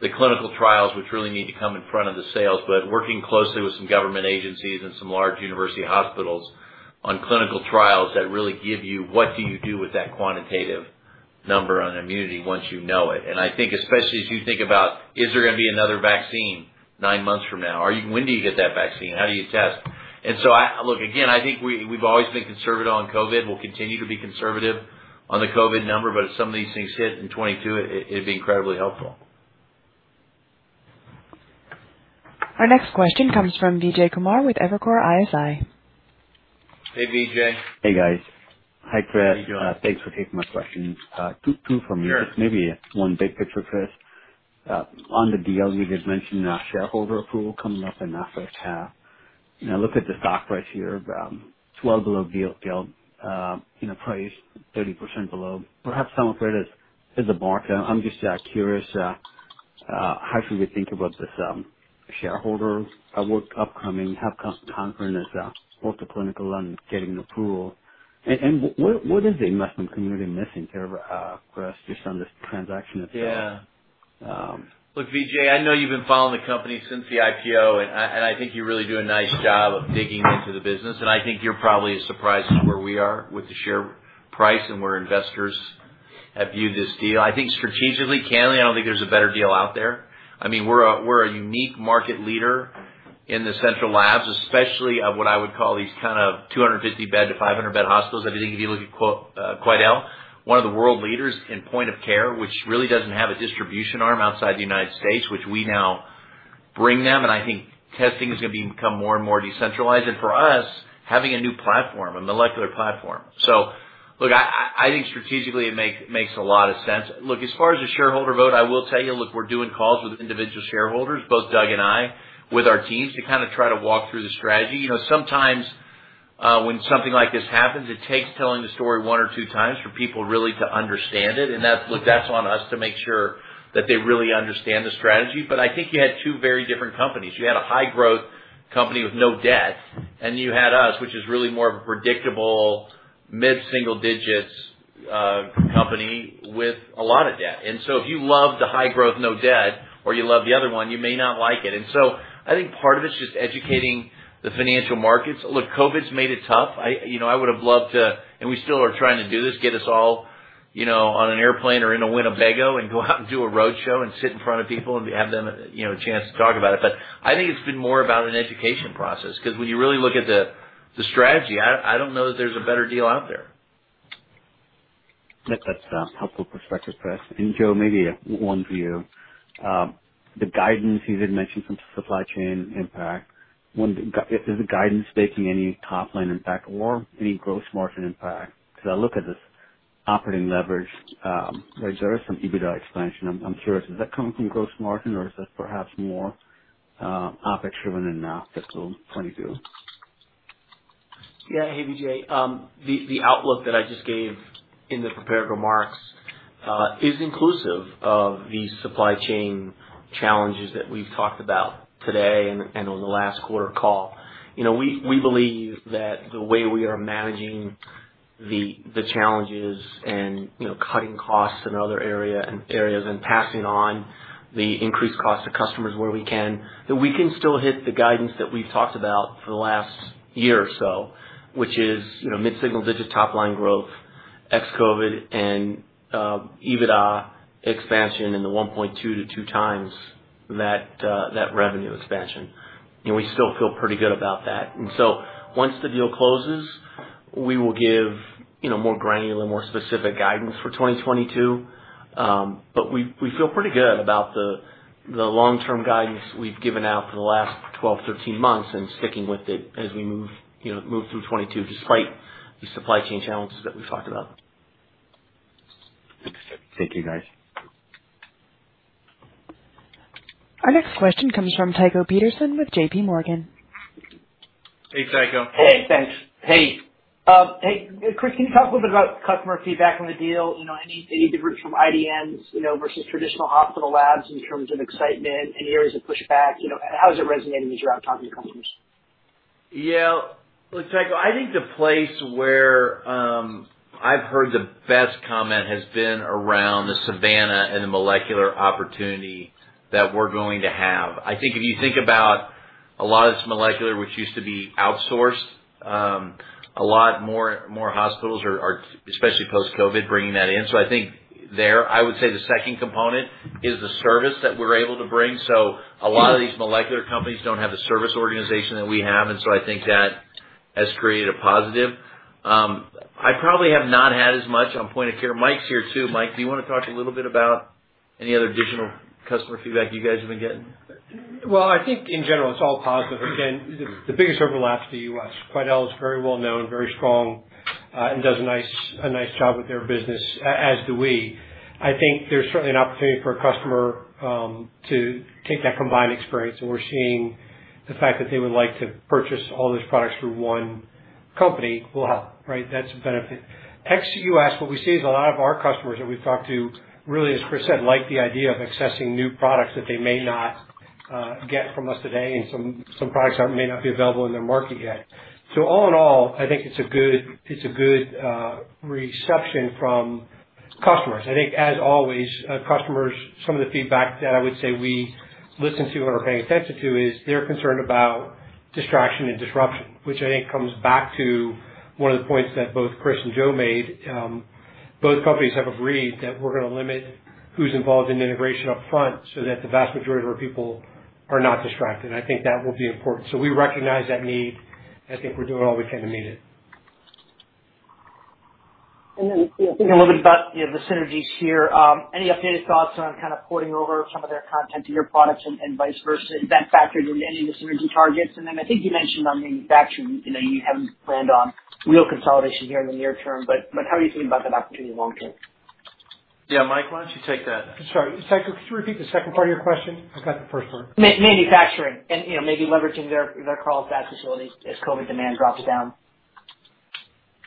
the clinical trials which really need to come in front of the sales. Working closely with some government agencies and some large university hospitals on clinical trials that really give you what do you do with that quantitative number on immunity once you know it. I think especially as you think about is there gonna be another vaccine nine months from now? When do you get that vaccine? How do you test? Look, again, I think we've always been conservative on COVID. We'll continue to be conservative on the COVID number, but if some of these things hit in 2022, it'd be incredibly helpful. Our next question comes from Vijay Kumar with Evercore ISI. Hey, Vijay. Hey, guys. Hi, Chris. How are you doing? Thanks for taking my questions. Two for me. Sure. Maybe one big picture first. On the deal, you did mention a shareholder approval coming up in that first half. You know, look at the stock price here, it's well below deal price, 30% below. Perhaps some of it is market. I'm just curious how should we think about this shareholder vote upcoming. How confident is Ortho Clinical on getting approval. And what is the investment community missing here, Chris, just on this transaction itself. Yeah. Um- Look, Vijay, I know you've been following the company since the IPO, and I think you really do a nice job of digging into the business, and I think you're probably as surprised as where we are with the share price and where investors have viewed this deal. I think strategically, candidly, I don't think there's a better deal out there. I mean, we're a unique market leader in the central labs, especially of what I would call these kind of 250-bed to 500-bed hospitals. I think if you look at Quidel, one of the world leaders in point of care, which really doesn't have a distribution arm outside the United States, which we now bring them, and I think testing is gonna become more and more decentralized. For us, having a new platform, a molecular platform. Look, I think strategically it makes a lot of sense. Look, as far as the shareholder vote, I will tell you, look, we're doing calls with individual shareholders, both Doug and I, with our teams to kind of try to walk through the strategy. You know, sometimes, when something like this happens, it takes telling the story one or two times for people really to understand it. That's, look, on us to make sure that they really understand the strategy. I think you had two very different companies. You had a high growth company with no debt, and you had us, which is really more of a predictable mid-single digits company with a lot of debt. If you love the high growth, no debt or you love the other one, you may not like it. I think part of it's just educating the financial markets. Look, COVID's made it tough. I, you know, I would have loved to and we still are trying to do this, get us all, you know, on an airplane or in a Winnebago and go out and do a roadshow and sit in front of people and have them, you know, a chance to talk about it. I think it's been more about an education process, because when you really look at the strategy, I don't know that there's a better deal out there. That's a helpful perspective, Chris. Joe, maybe one for you. The guidance, you did mention some supply chain impact. Is the guidance making any top line impact or any gross margin impact? Because I look at this operating leverage, like there is some EBITDA expansion. I'm curious, is that coming from gross margin or is this perhaps more OpEx driven in fiscal 2022? Yeah. Hey, Vijay. The outlook that I just gave in the prepared remarks is inclusive of the supply chain challenges that we've talked about today and on the last quarter call. You know, we believe that the way we are managing the challenges and, you know, cutting costs in other areas and passing on the increased cost to customers where we can, that we can still hit the guidance that we've talked about for the last year or so, which is, you know, mid-single-digit top line growth, ex-COVID, and EBITDA expansion in the 1.2 to 2 times net revenue expansion. You know, we still feel pretty good about that. Once the deal closes, we will give, you know, more granular, more specific guidance for 2022. We feel pretty good about the long-term guidance we've given out for the last 12, 13 months and sticking with it as we move, you know, through 2022, despite the supply chain challenges that we've talked about. Thank you, guys. Our next question comes from Tycho Peterson with J.P. Morgan. Hey, Tycho. Hey, thanks. Hey. Hey, Chris, can you talk a little bit about customer feedback on the deal? You know, any difference from IDNs, you know, versus traditional hospital labs in terms of excitement, any areas of pushback? You know, how is it resonating as you're out talking to customers? Yeah. Look, Tycho, I think the place where I've heard the best comment has been around the Savanna and the molecular opportunity that we're going to have. I think if you think about a lot of this molecular, which used to be outsourced, a lot more hospitals are, especially post-COVID, bringing that in. I would say the second component is the service that we're able to bring. A lot of these molecular companies don't have the service organization that we have, and so I think that has created a positive. I probably have not had as much on point of care. Mike's here too. Mike, do you wanna talk a little bit about any other additional customer feedback you guys have been getting? Well, I think in general, it's all positive. Again, the biggest overlap is the U.S. Quidel is very well known, very strong, and does a nice job with their business, as do we. I think there's certainly an opportunity for a customer to take that combined experience, and we're seeing the fact that they would like to purchase all those products from one company will help, right? That's a benefit. ex-U.S., what we see is a lot of our customers that we've talked to, really, as Chris said, like the idea of accessing new products that they may not get from us today and some products that may not be available in their market yet. All in all, I think it's a good reception from customers. I think as always, customers, some of the feedback that I would say we listen to and are paying attention to is they're concerned about distraction and disruption, which I think comes back to one of the points that both Chris and Joe made. Both companies have agreed that we're gonna limit who's involved in integration up front so that the vast majority of our people are not distracted, and I think that will be important. We recognize that need. I think we're doing all we can to meet it. You know, thinking a little bit about, you know, the synergies here, any updated thoughts on kind of porting over some of their content to your products and vice versa? Is that factored in any of the synergy targets? I think you mentioned on manufacturing, you know, you haven't planned on real consolidation here in the near term, but how are you thinking about that opportunity long term? Yeah. Mike, why don't you take that? Sorry. Tycho, could you repeat the second part of your question? I got the first part. Manufacturing and, you know, maybe leveraging their Carlsbad facilities as COVID demand drops down.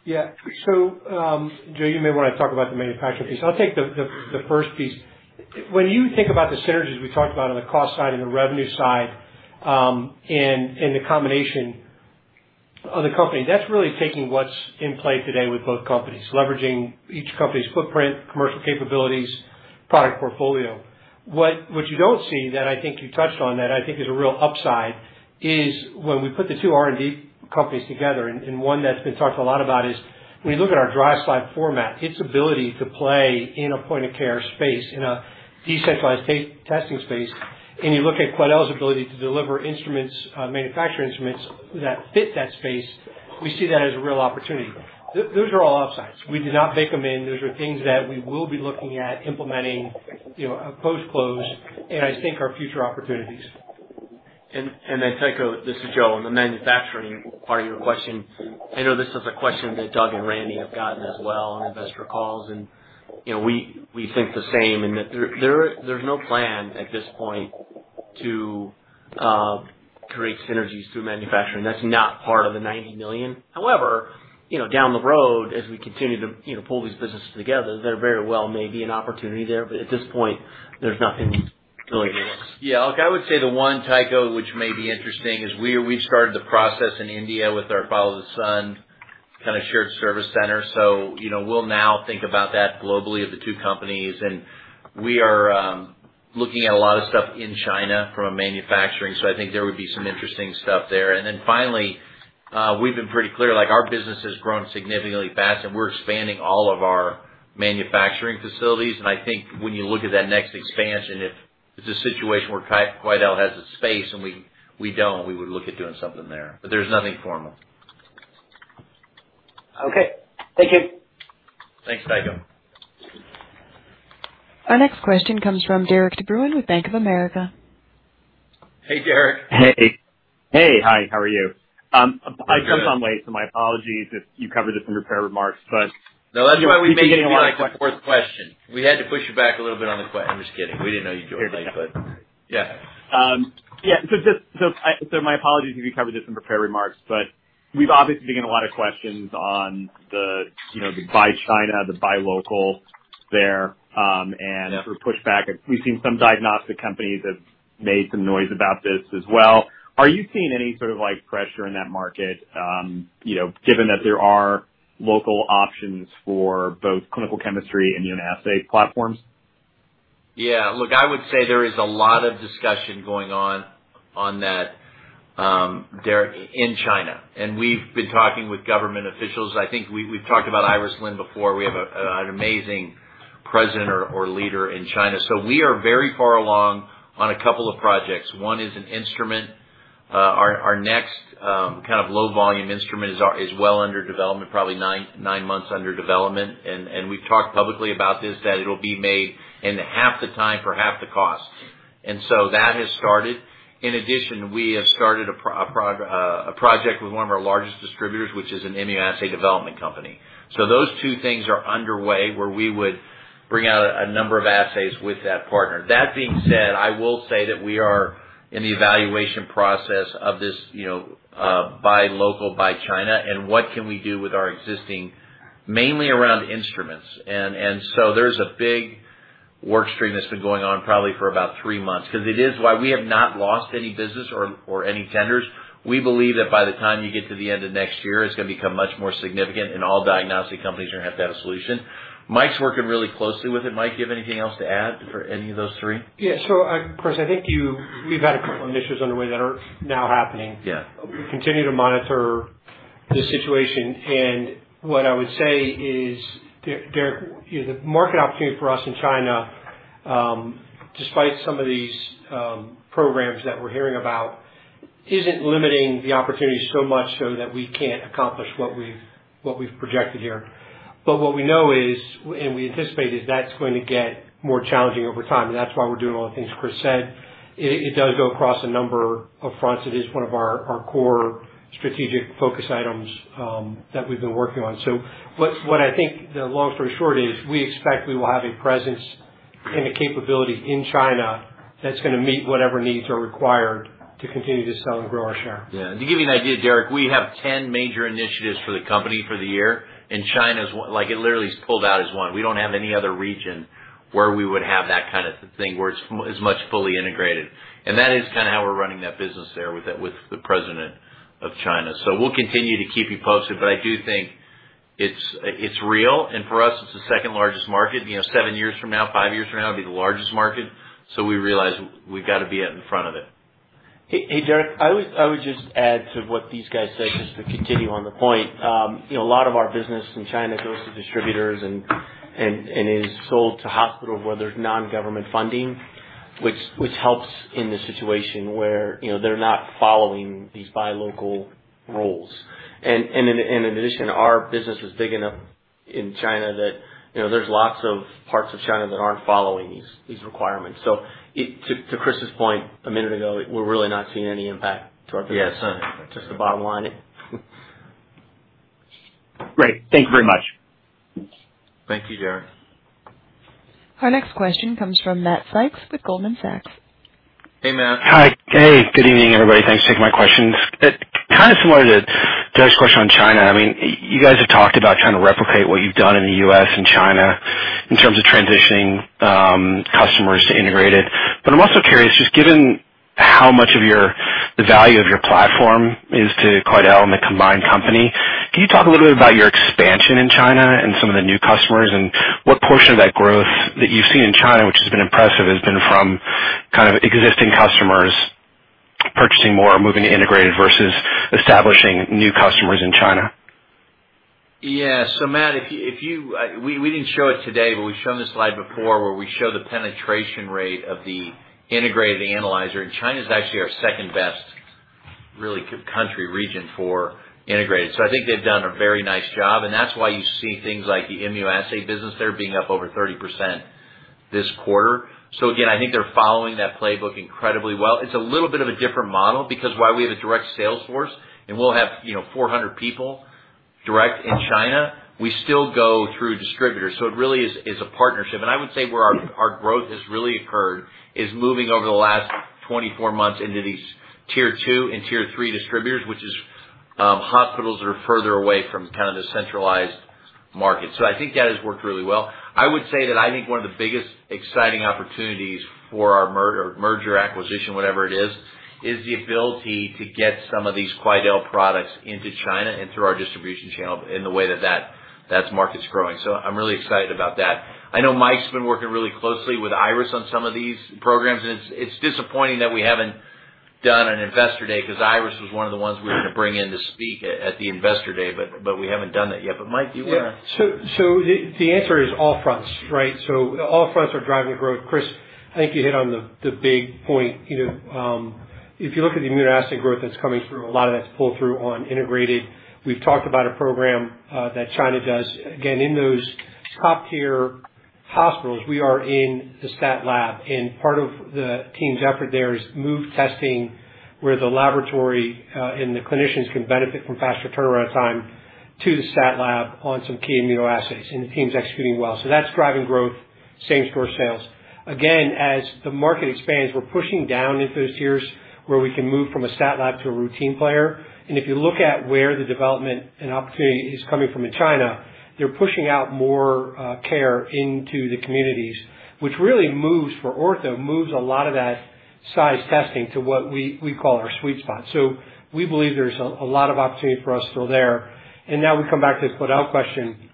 Joe, you may wanna talk about the manufacturing piece. I'll take the first piece. When you think about the synergies we talked about on the cost side and the revenue side, the combination of the company, that's really taking what's in play today with both companies, leveraging each company's footprint, commercial capabilities, product portfolio. What you don't see that I think you touched on that I think is a real upside is when we put the two R&D companies together, one that's been talked a lot about is when you look at our dry slide format, its ability to play in a point of care space, in a decentralized testing space, and you look at Quidel's ability to deliver instruments, manufacture instruments that fit that space, we see that as a real opportunity. Those are all upsides. We did not bake them in. Those are things that we will be looking at implementing, you know, post-close, and I think are future opportunities. Tycho, this is Joe, on the manufacturing part of your question. I know this is a question that Doug and Randy have gotten as well on investor calls. You know, we think the same in that there's no plan at this point to create synergies through manufacturing. That's not part of the $90 million. However, you know, down the road, as we continue to you know, pull these businesses together, there very well may be an opportunity there, but at this point, there's nothing really there. Yeah. Look, I would say the one, Tycho, which may be interesting is we've started the process in India with our follow the sun kind of shared service center. You know, we'll now think about that globally of the two companies, and we are looking at a lot of stuff in China from a manufacturing, so I think there would be some interesting stuff there. Finally, we've been pretty clear, like our business has grown significantly fast, and we're expanding all of our manufacturing facilities. I think when you look at that next expansion, if it's a situation where Quidel has the space and we don't, we would look at doing something there, but there's nothing formal. Okay, thank you. Thanks, Tycho. Our next question comes from Derik De Bruin with Bank of America. Hey, Derik. Hey. Hi, how are you? I jumped on late, so my apologies if you covered this in your prepared remarks, but- No, that's why we made you do, like, the fourth question. We had to push you back a little bit. I'm just kidding. We didn't know you joined late, but yeah. Yeah, my apologies if you covered this in prepared remarks, but we've obviously been getting a lot of questions on the, you know, the buy China, the buy local there, and- Yeah. Sort of pushback. We've seen some diagnostic companies have made some noise about this as well. Are you seeing any sort of, like, pressure in that market, you know, given that there are local options for both clinical chemistry and immunoassay platforms? Yeah. Look, I would say there is a lot of discussion going on that, Derik, in China. We've been talking with government officials. I think we've talked about Iris Lin before. We have an amazing president or leader in China. We are very far along on a couple of projects. One is an instrument. Our next kind of low volume instrument is well under development, probably nine months under development. We've talked publicly about this, that it'll be made in half the time for half the cost. That has started. In addition, we have started a project with one of our largest distributors, which is an immunoassay development company. Those two things are underway, where we would bring out a number of assays with that partner. That being said, I will say that we are in the evaluation process of this, you know, buy local, buy China and what can we do with our existing mainly around instruments. There's a big work stream that's been going on probably for about 3 months, because it is why we have not lost any business or any tenders. We believe that by the time you get to the end of next year, it's gonna become much more significant, and all diagnostic companies are gonna have to have a solution. Mike's working really closely with it. Mike, do you have anything else to add for any of those three? Yeah. Chris, I think we've had a couple initiatives underway that are now happening. Yeah. We continue to monitor the situation. What I would say is, Derek, you know, the market opportunity for us in China, despite some of these programs that we're hearing about, isn't limiting the opportunity so much so that we can't accomplish what we've projected here. What we know is, and we anticipate, is that's going to get more challenging over time, and that's why we're doing all the things Chris said. It does go across a number of fronts. It is one of our core strategic focus items that we've been working on. What I think the long story short is, we expect we will have a presence and a capability in China that's gonna meet whatever needs are required to continue to sell and grow our share. Yeah. To give you an idea, Derik, we have 10 major initiatives for the company for the year, and China's one, like, it literally is pulled out as one. We don't have any other region where we would have that kind of thing, where it's much fully integrated. That is kinda how we're running that business there with the president of China. We'll continue to keep you posted, but I do think it's real. For us, it's the second largest market. You know, seven years from now, five years from now, it'll be the largest market. We realize we've gotta be out in front of it. Hey, hey, Derik. I would just add to what these guys said, just to continue on the point. You know, a lot of our business in China goes to distributors and is sold to hospitals where there's non-government funding, which helps in this situation where, you know, they're not following these buy local rules. In addition, our business is big enough in China that, you know, there's lots of parts of China that aren't following these requirements. To Chris's point a minute ago, we're really not seeing any impact to our business. Yeah. It's not impacting. Just the bottom line. Great. Thank you very much. Thank you, Derik. Our next question comes from Matthew Sykes with Goldman Sachs. Hey, Matt. Hi. Hey, good evening, everybody. Thanks for taking my questions. It's kinda similar to Derik's question on China. I mean, you guys have talked about trying to replicate what you've done in the U.S., and China in terms of transitioning customers to integrated. I'm also curious, just given how much of your, the value of your platform is to Quidel and the combined company, can you talk a little bit about your expansion in China and some of the new customers and what portion of that growth that you've seen in China, which has been impressive, has been from kind of existing customers purchasing more or moving to integrated versus establishing new customers in China? Yeah. Matt, if you... We didn't show it today, but we've shown this slide before where we show the penetration rate of the integrated analyzer, and China's actually our second-best country region for integrated. I think they've done a very nice job, and that's why you see things like the immunoassay business there being up over 30% this quarter. Again, I think they're following that playbook incredibly well. It's a little bit of a different model because while we have a direct sales force and we'll have, you know, 400 people direct in China, we still go through distributors. It really is a partnership. I would say where our growth has really occurred is moving over the last 24 months into these tier two and tier three distributors, which is hospitals that are further away from kind of the centralized market. I think that has worked really well. I would say that I think one of the biggest exciting opportunities for our merger acquisition, whatever it is the ability to get some of these Quidel products into China and through our distribution channel in the way that that's market's growing. I'm really excited about that. I know Mike's been working really closely with Iris on some of these programs, and it's disappointing that we haven't done an investor day because Iris was one of the ones we were going to bring in to speak at the investor day, but we haven't done that yet. Mike, do you wanna- Yeah. The answer is all fronts, right? All fronts are driving the growth. Chris, I think you hit on the big point. You know, if you look at the immunoassay growth that's coming through, a lot of that's pull-through on integrated. We've talked about a program that China does. Again, in those top-tier hospitals, we are in the stat lab, and part of the team's effort there is move testing where the laboratory and the clinicians can benefit from faster turnaround time to the stat lab on some key immunoassays, and the team's executing well. That's driving growth, same-store sales. Again, as the market expands, we're pushing down into those tiers where we can move from a stat lab to a routine player. If you look at where the development and opportunity is coming from in China, they're pushing out more care into the communities, which really moves, for Ortho, a lot of that size testing to what we call our sweet spot. We believe there's a lot of opportunity for us still there. Now we come back to the Quidel question.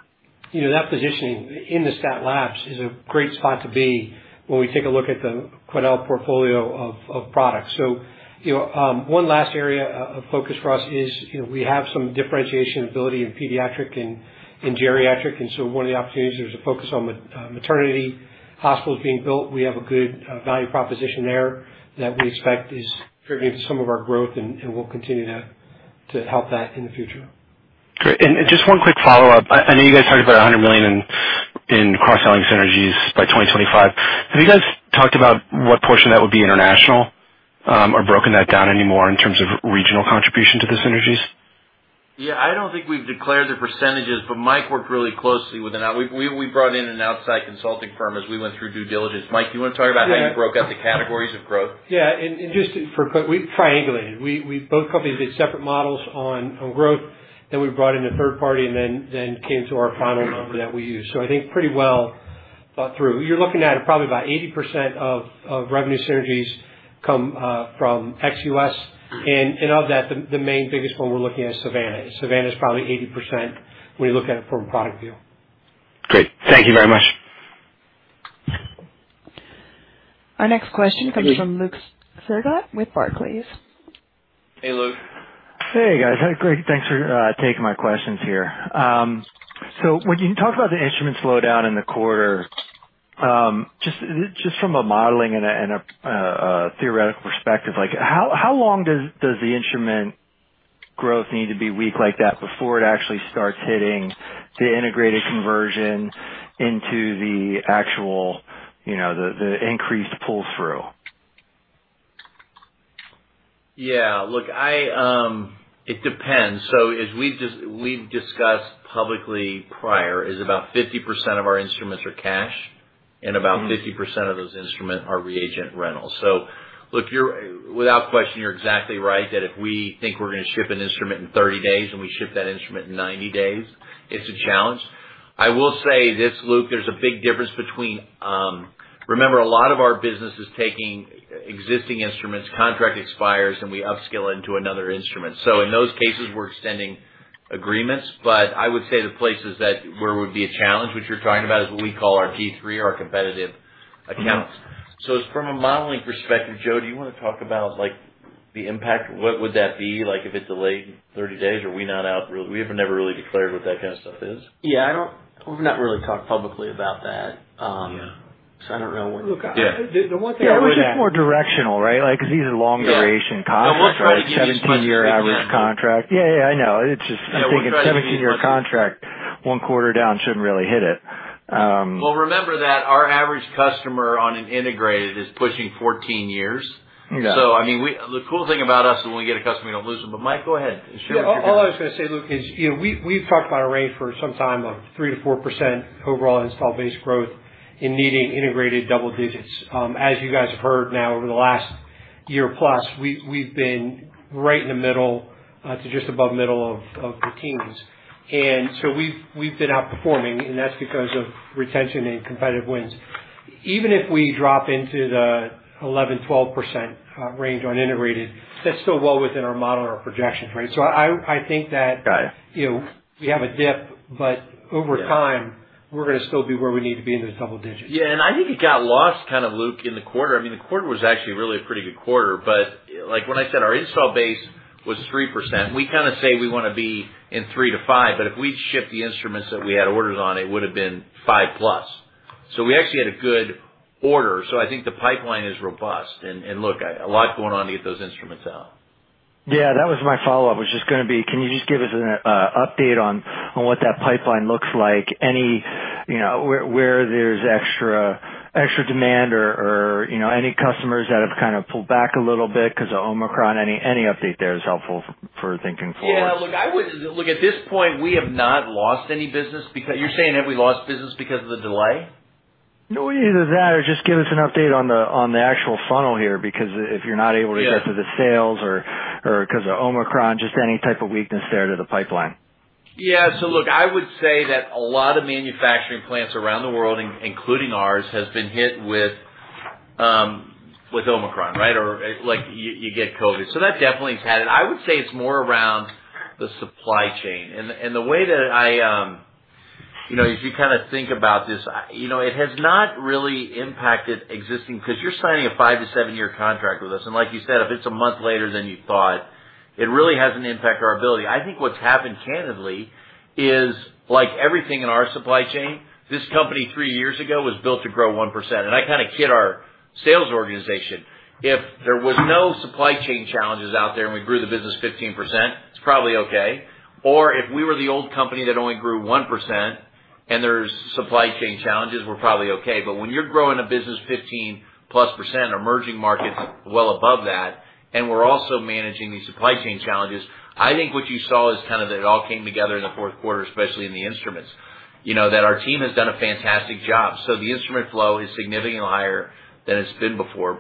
You know, that positioning in the stat labs is a great spot to be when we take a look at the Quidel portfolio of products. You know, one last area of focus for us is, you know, we have some differentiation ability in pediatric and geriatric, and so one of the opportunities, there's a focus on maternity hospitals being built. We have a good value proposition there that we expect is contributing to some of our growth and we'll continue to help that in the future. Great. Just one quick follow-up. I know you guys talked about $100 million in cross-selling synergies by 2025. Have you guys talked about what portion that would be international, or broken that down any more in terms of regional contribution to the synergies? Yeah, I don't think we've declared the percentages, but Mike worked really closely with an outside consulting firm as we went through due diligence. Mike, do you wanna talk about how you broke up the categories of growth? Yeah. Just for quick, we triangulated. We both companies did separate models on growth, then we brought in a third party and then came to our final number that we use. I think pretty well thought through. You're looking at probably about 80% of revenue synergies come from ex-U.S. Of that, the main biggest one we're looking at is Savanna. Savanna is probably 80% when you look at it from a product view. Great. Thank you very much. Our next question comes from Luke Sergott with Barclays. Hey, Luke. Hey, guys. Great, thanks for taking my questions here. When you talk about the instrument slowdown in the quarter, just from a modeling and a theoretical perspective, like how long does the instrument growth need to be weak like that before it actually starts hitting the integrated conversion into the actual, you know, the increased pull-through? Yeah, look, I. It depends. As we've discussed publicly prior is about 50% of our instruments are cash, and about 50% of those instruments are reagent rentals. Look, without question, you're exactly right that if we think we're gonna ship an instrument in 30 days and we ship that instrument in 90 days, it's a challenge. I will say this, Luke, there's a big difference between. Remember, a lot of our business is taking existing instruments, contract expires, and we upscale into another instrument. In those cases, we're extending agreements. I would say the places where it would be a challenge, which you're talking about, is what we call our P3 or our competitive accounts. From a modeling perspective, Joe, do you wanna talk about, like, the impact? What would that be, like, if it delayed 30 days? We have never really declared what that kind of stuff is. We've not really talked publicly about that. Yeah. I don't know what. Look, I- Yeah. The one thing. Yeah, we're just more directional, right? Like, 'cause these are long duration contracts. Yeah. No, we're trying to give you as much. 17-year average contract. Yeah, yeah, I know. It's just. Yeah, we're trying to give you as much- I'm thinking 17-year contract, one quarter down shouldn't really hit it. Well, remember that our average customer on an integrated is pushing 14 years. Got it. I mean, the cool thing about us is when we get a customer, we don't lose them. Mike, go ahead. Share what you're gonna- All I was gonna say, Luke, is, you know, we've talked about a range for some time of 3%-4% overall install base growth and needing integrated double digits. As you guys have heard now over the last year plus, we've been right in the middle to just above middle of the teens. We've been outperforming, and that's because of retention and competitive wins. Even if we drop into the 11%-12% range on integrated, that's still well within our model and our projections, right? I think that- Got it. You know, we have a dip, but over time. Yeah. We're gonna still be where we need to be in the double digits. Yeah, I think it got lost kind of, Luke, in the quarter. I mean, the quarter was actually really a pretty good quarter. Like, when I said our installed base was 3%, we kinda say we wanna be in 3%-5%, but if we'd shipped the instruments that we had orders on, it would have been 5+. We actually had a good order. I think the pipeline is robust. Look, a lot's going on to get those instruments out. Yeah, that was my follow-up, just gonna be, can you just give us an update on what that pipeline looks like? You know, where there's extra demand or, you know, any customers that have kind of pulled back a little bit because of Omicron? Any update there is helpful for thinking forward. Yeah. Look, at this point, we have not lost any business. You're saying, have we lost business because of the delay? No, either that or just give us an update on the actual funnel here. Because if you're not able to- Yeah. get to the sales or 'cause of Omicron, just any type of weakness there to the pipeline. Look, I would say that a lot of manufacturing plants around the world, including ours, has been hit with Omicron, right? Or like, you get COVID. That definitely has had it. I would say it's more around the supply chain. The way that I you know, as you kind of think about this, you know, it has not really impacted because you're signing a 5-7-year contract with us. Like you said, if it's a month later than you thought, it really hasn't impacted our ability. I think what's happened, candidly, is like everything in our supply chain. This company three years ago was built to grow 1%. I kind of kid our sales organization. If there was no supply chain challenges out there and we grew the business 15%, it's probably okay. If we were the old company that only grew 1% and there's supply chain challenges, we're probably okay. When you're growing a business 15%+, emerging markets well above that, and we're also managing these supply chain challenges, I think what you saw is kind of that it all came together in the fourth quarter, especially in the instruments, you know, that our team has done a fantastic job. The instrument flow is significantly higher than it's been before.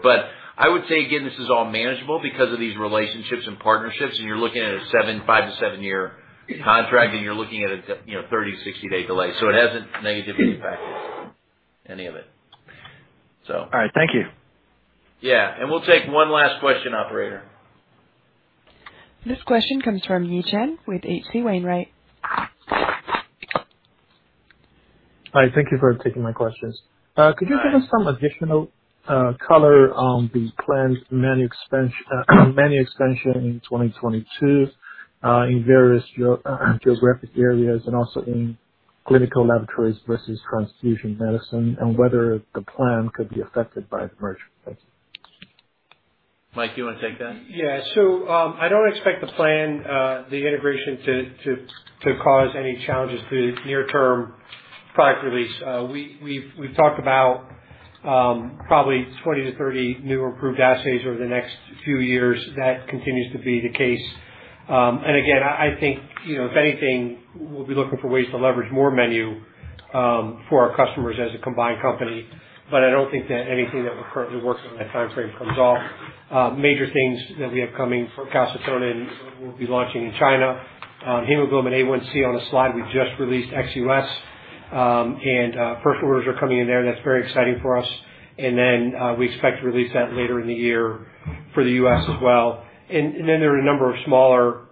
I would say, again, this is all manageable because of these relationships and partnerships, and you're looking at a 5- to 7-year contract, and you're looking at a you know, 30- to 60-day delay. It hasn't negatively impacted any of it. All right. Thank you. Yeah. We'll take one last question, operator. This question comes from Yi Chen with H.C. Wainwright. Hi, thank you for taking my questions. Could you give us some additional color on the planned menu expansion, menu extension in 2022, in various geographic areas and also in clinical laboratories versus transfusion medicine and whether the plan could be affected by the merger. Thank you. Mike, do you wanna take that? Yeah. I don't expect the plan, the integration to cause any challenges to the near-term product release. We've talked about probably 20-30 new or improved assays over the next few years. That continues to be the case. Again, I think, you know, if anything, we'll be looking for ways to leverage more menu for our customers as a combined company. I don't think that anything that we're currently working on that timeframe comes off. Major things that we have coming for calcitonin, we'll be launching in China. Hemoglobin A1c on the slide, we just released ex-U.S., and first orders are coming in there. That's very exciting for us. We expect to release that later in the year for the U.S., as well. There are a number of smaller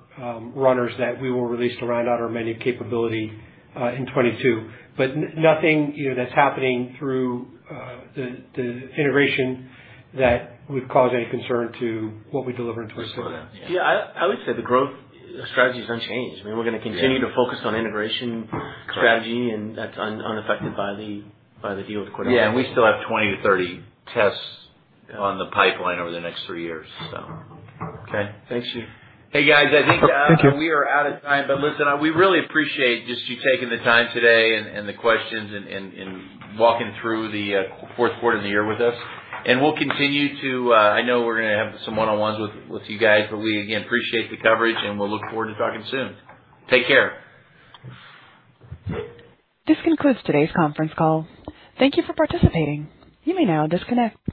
runners that we will release to round out our menu capability in 2022. Nothing, you know, that's happening through the integration that would cause any concern to what we deliver in 2022. Yeah. I would say the growth strategy is unchanged. I mean, we're gonna continue to focus on integration strategy, and that's unaffected by the deal with Quidel. Yeah, and we still have 20-30 tests on the pipeline over the next three years. So. Okay. Thank you. Hey, guys, I think. Thank you. We are out of time. Listen, we really appreciate just you taking the time today and the questions and walking through the fourth quarter of the year with us. We'll continue to, I know we're gonna have some one-on-ones with you guys, but we again appreciate the coverage, and we'll look forward to talking soon. Take care. This concludes today's conference call. Thank you for participating. You may now disconnect.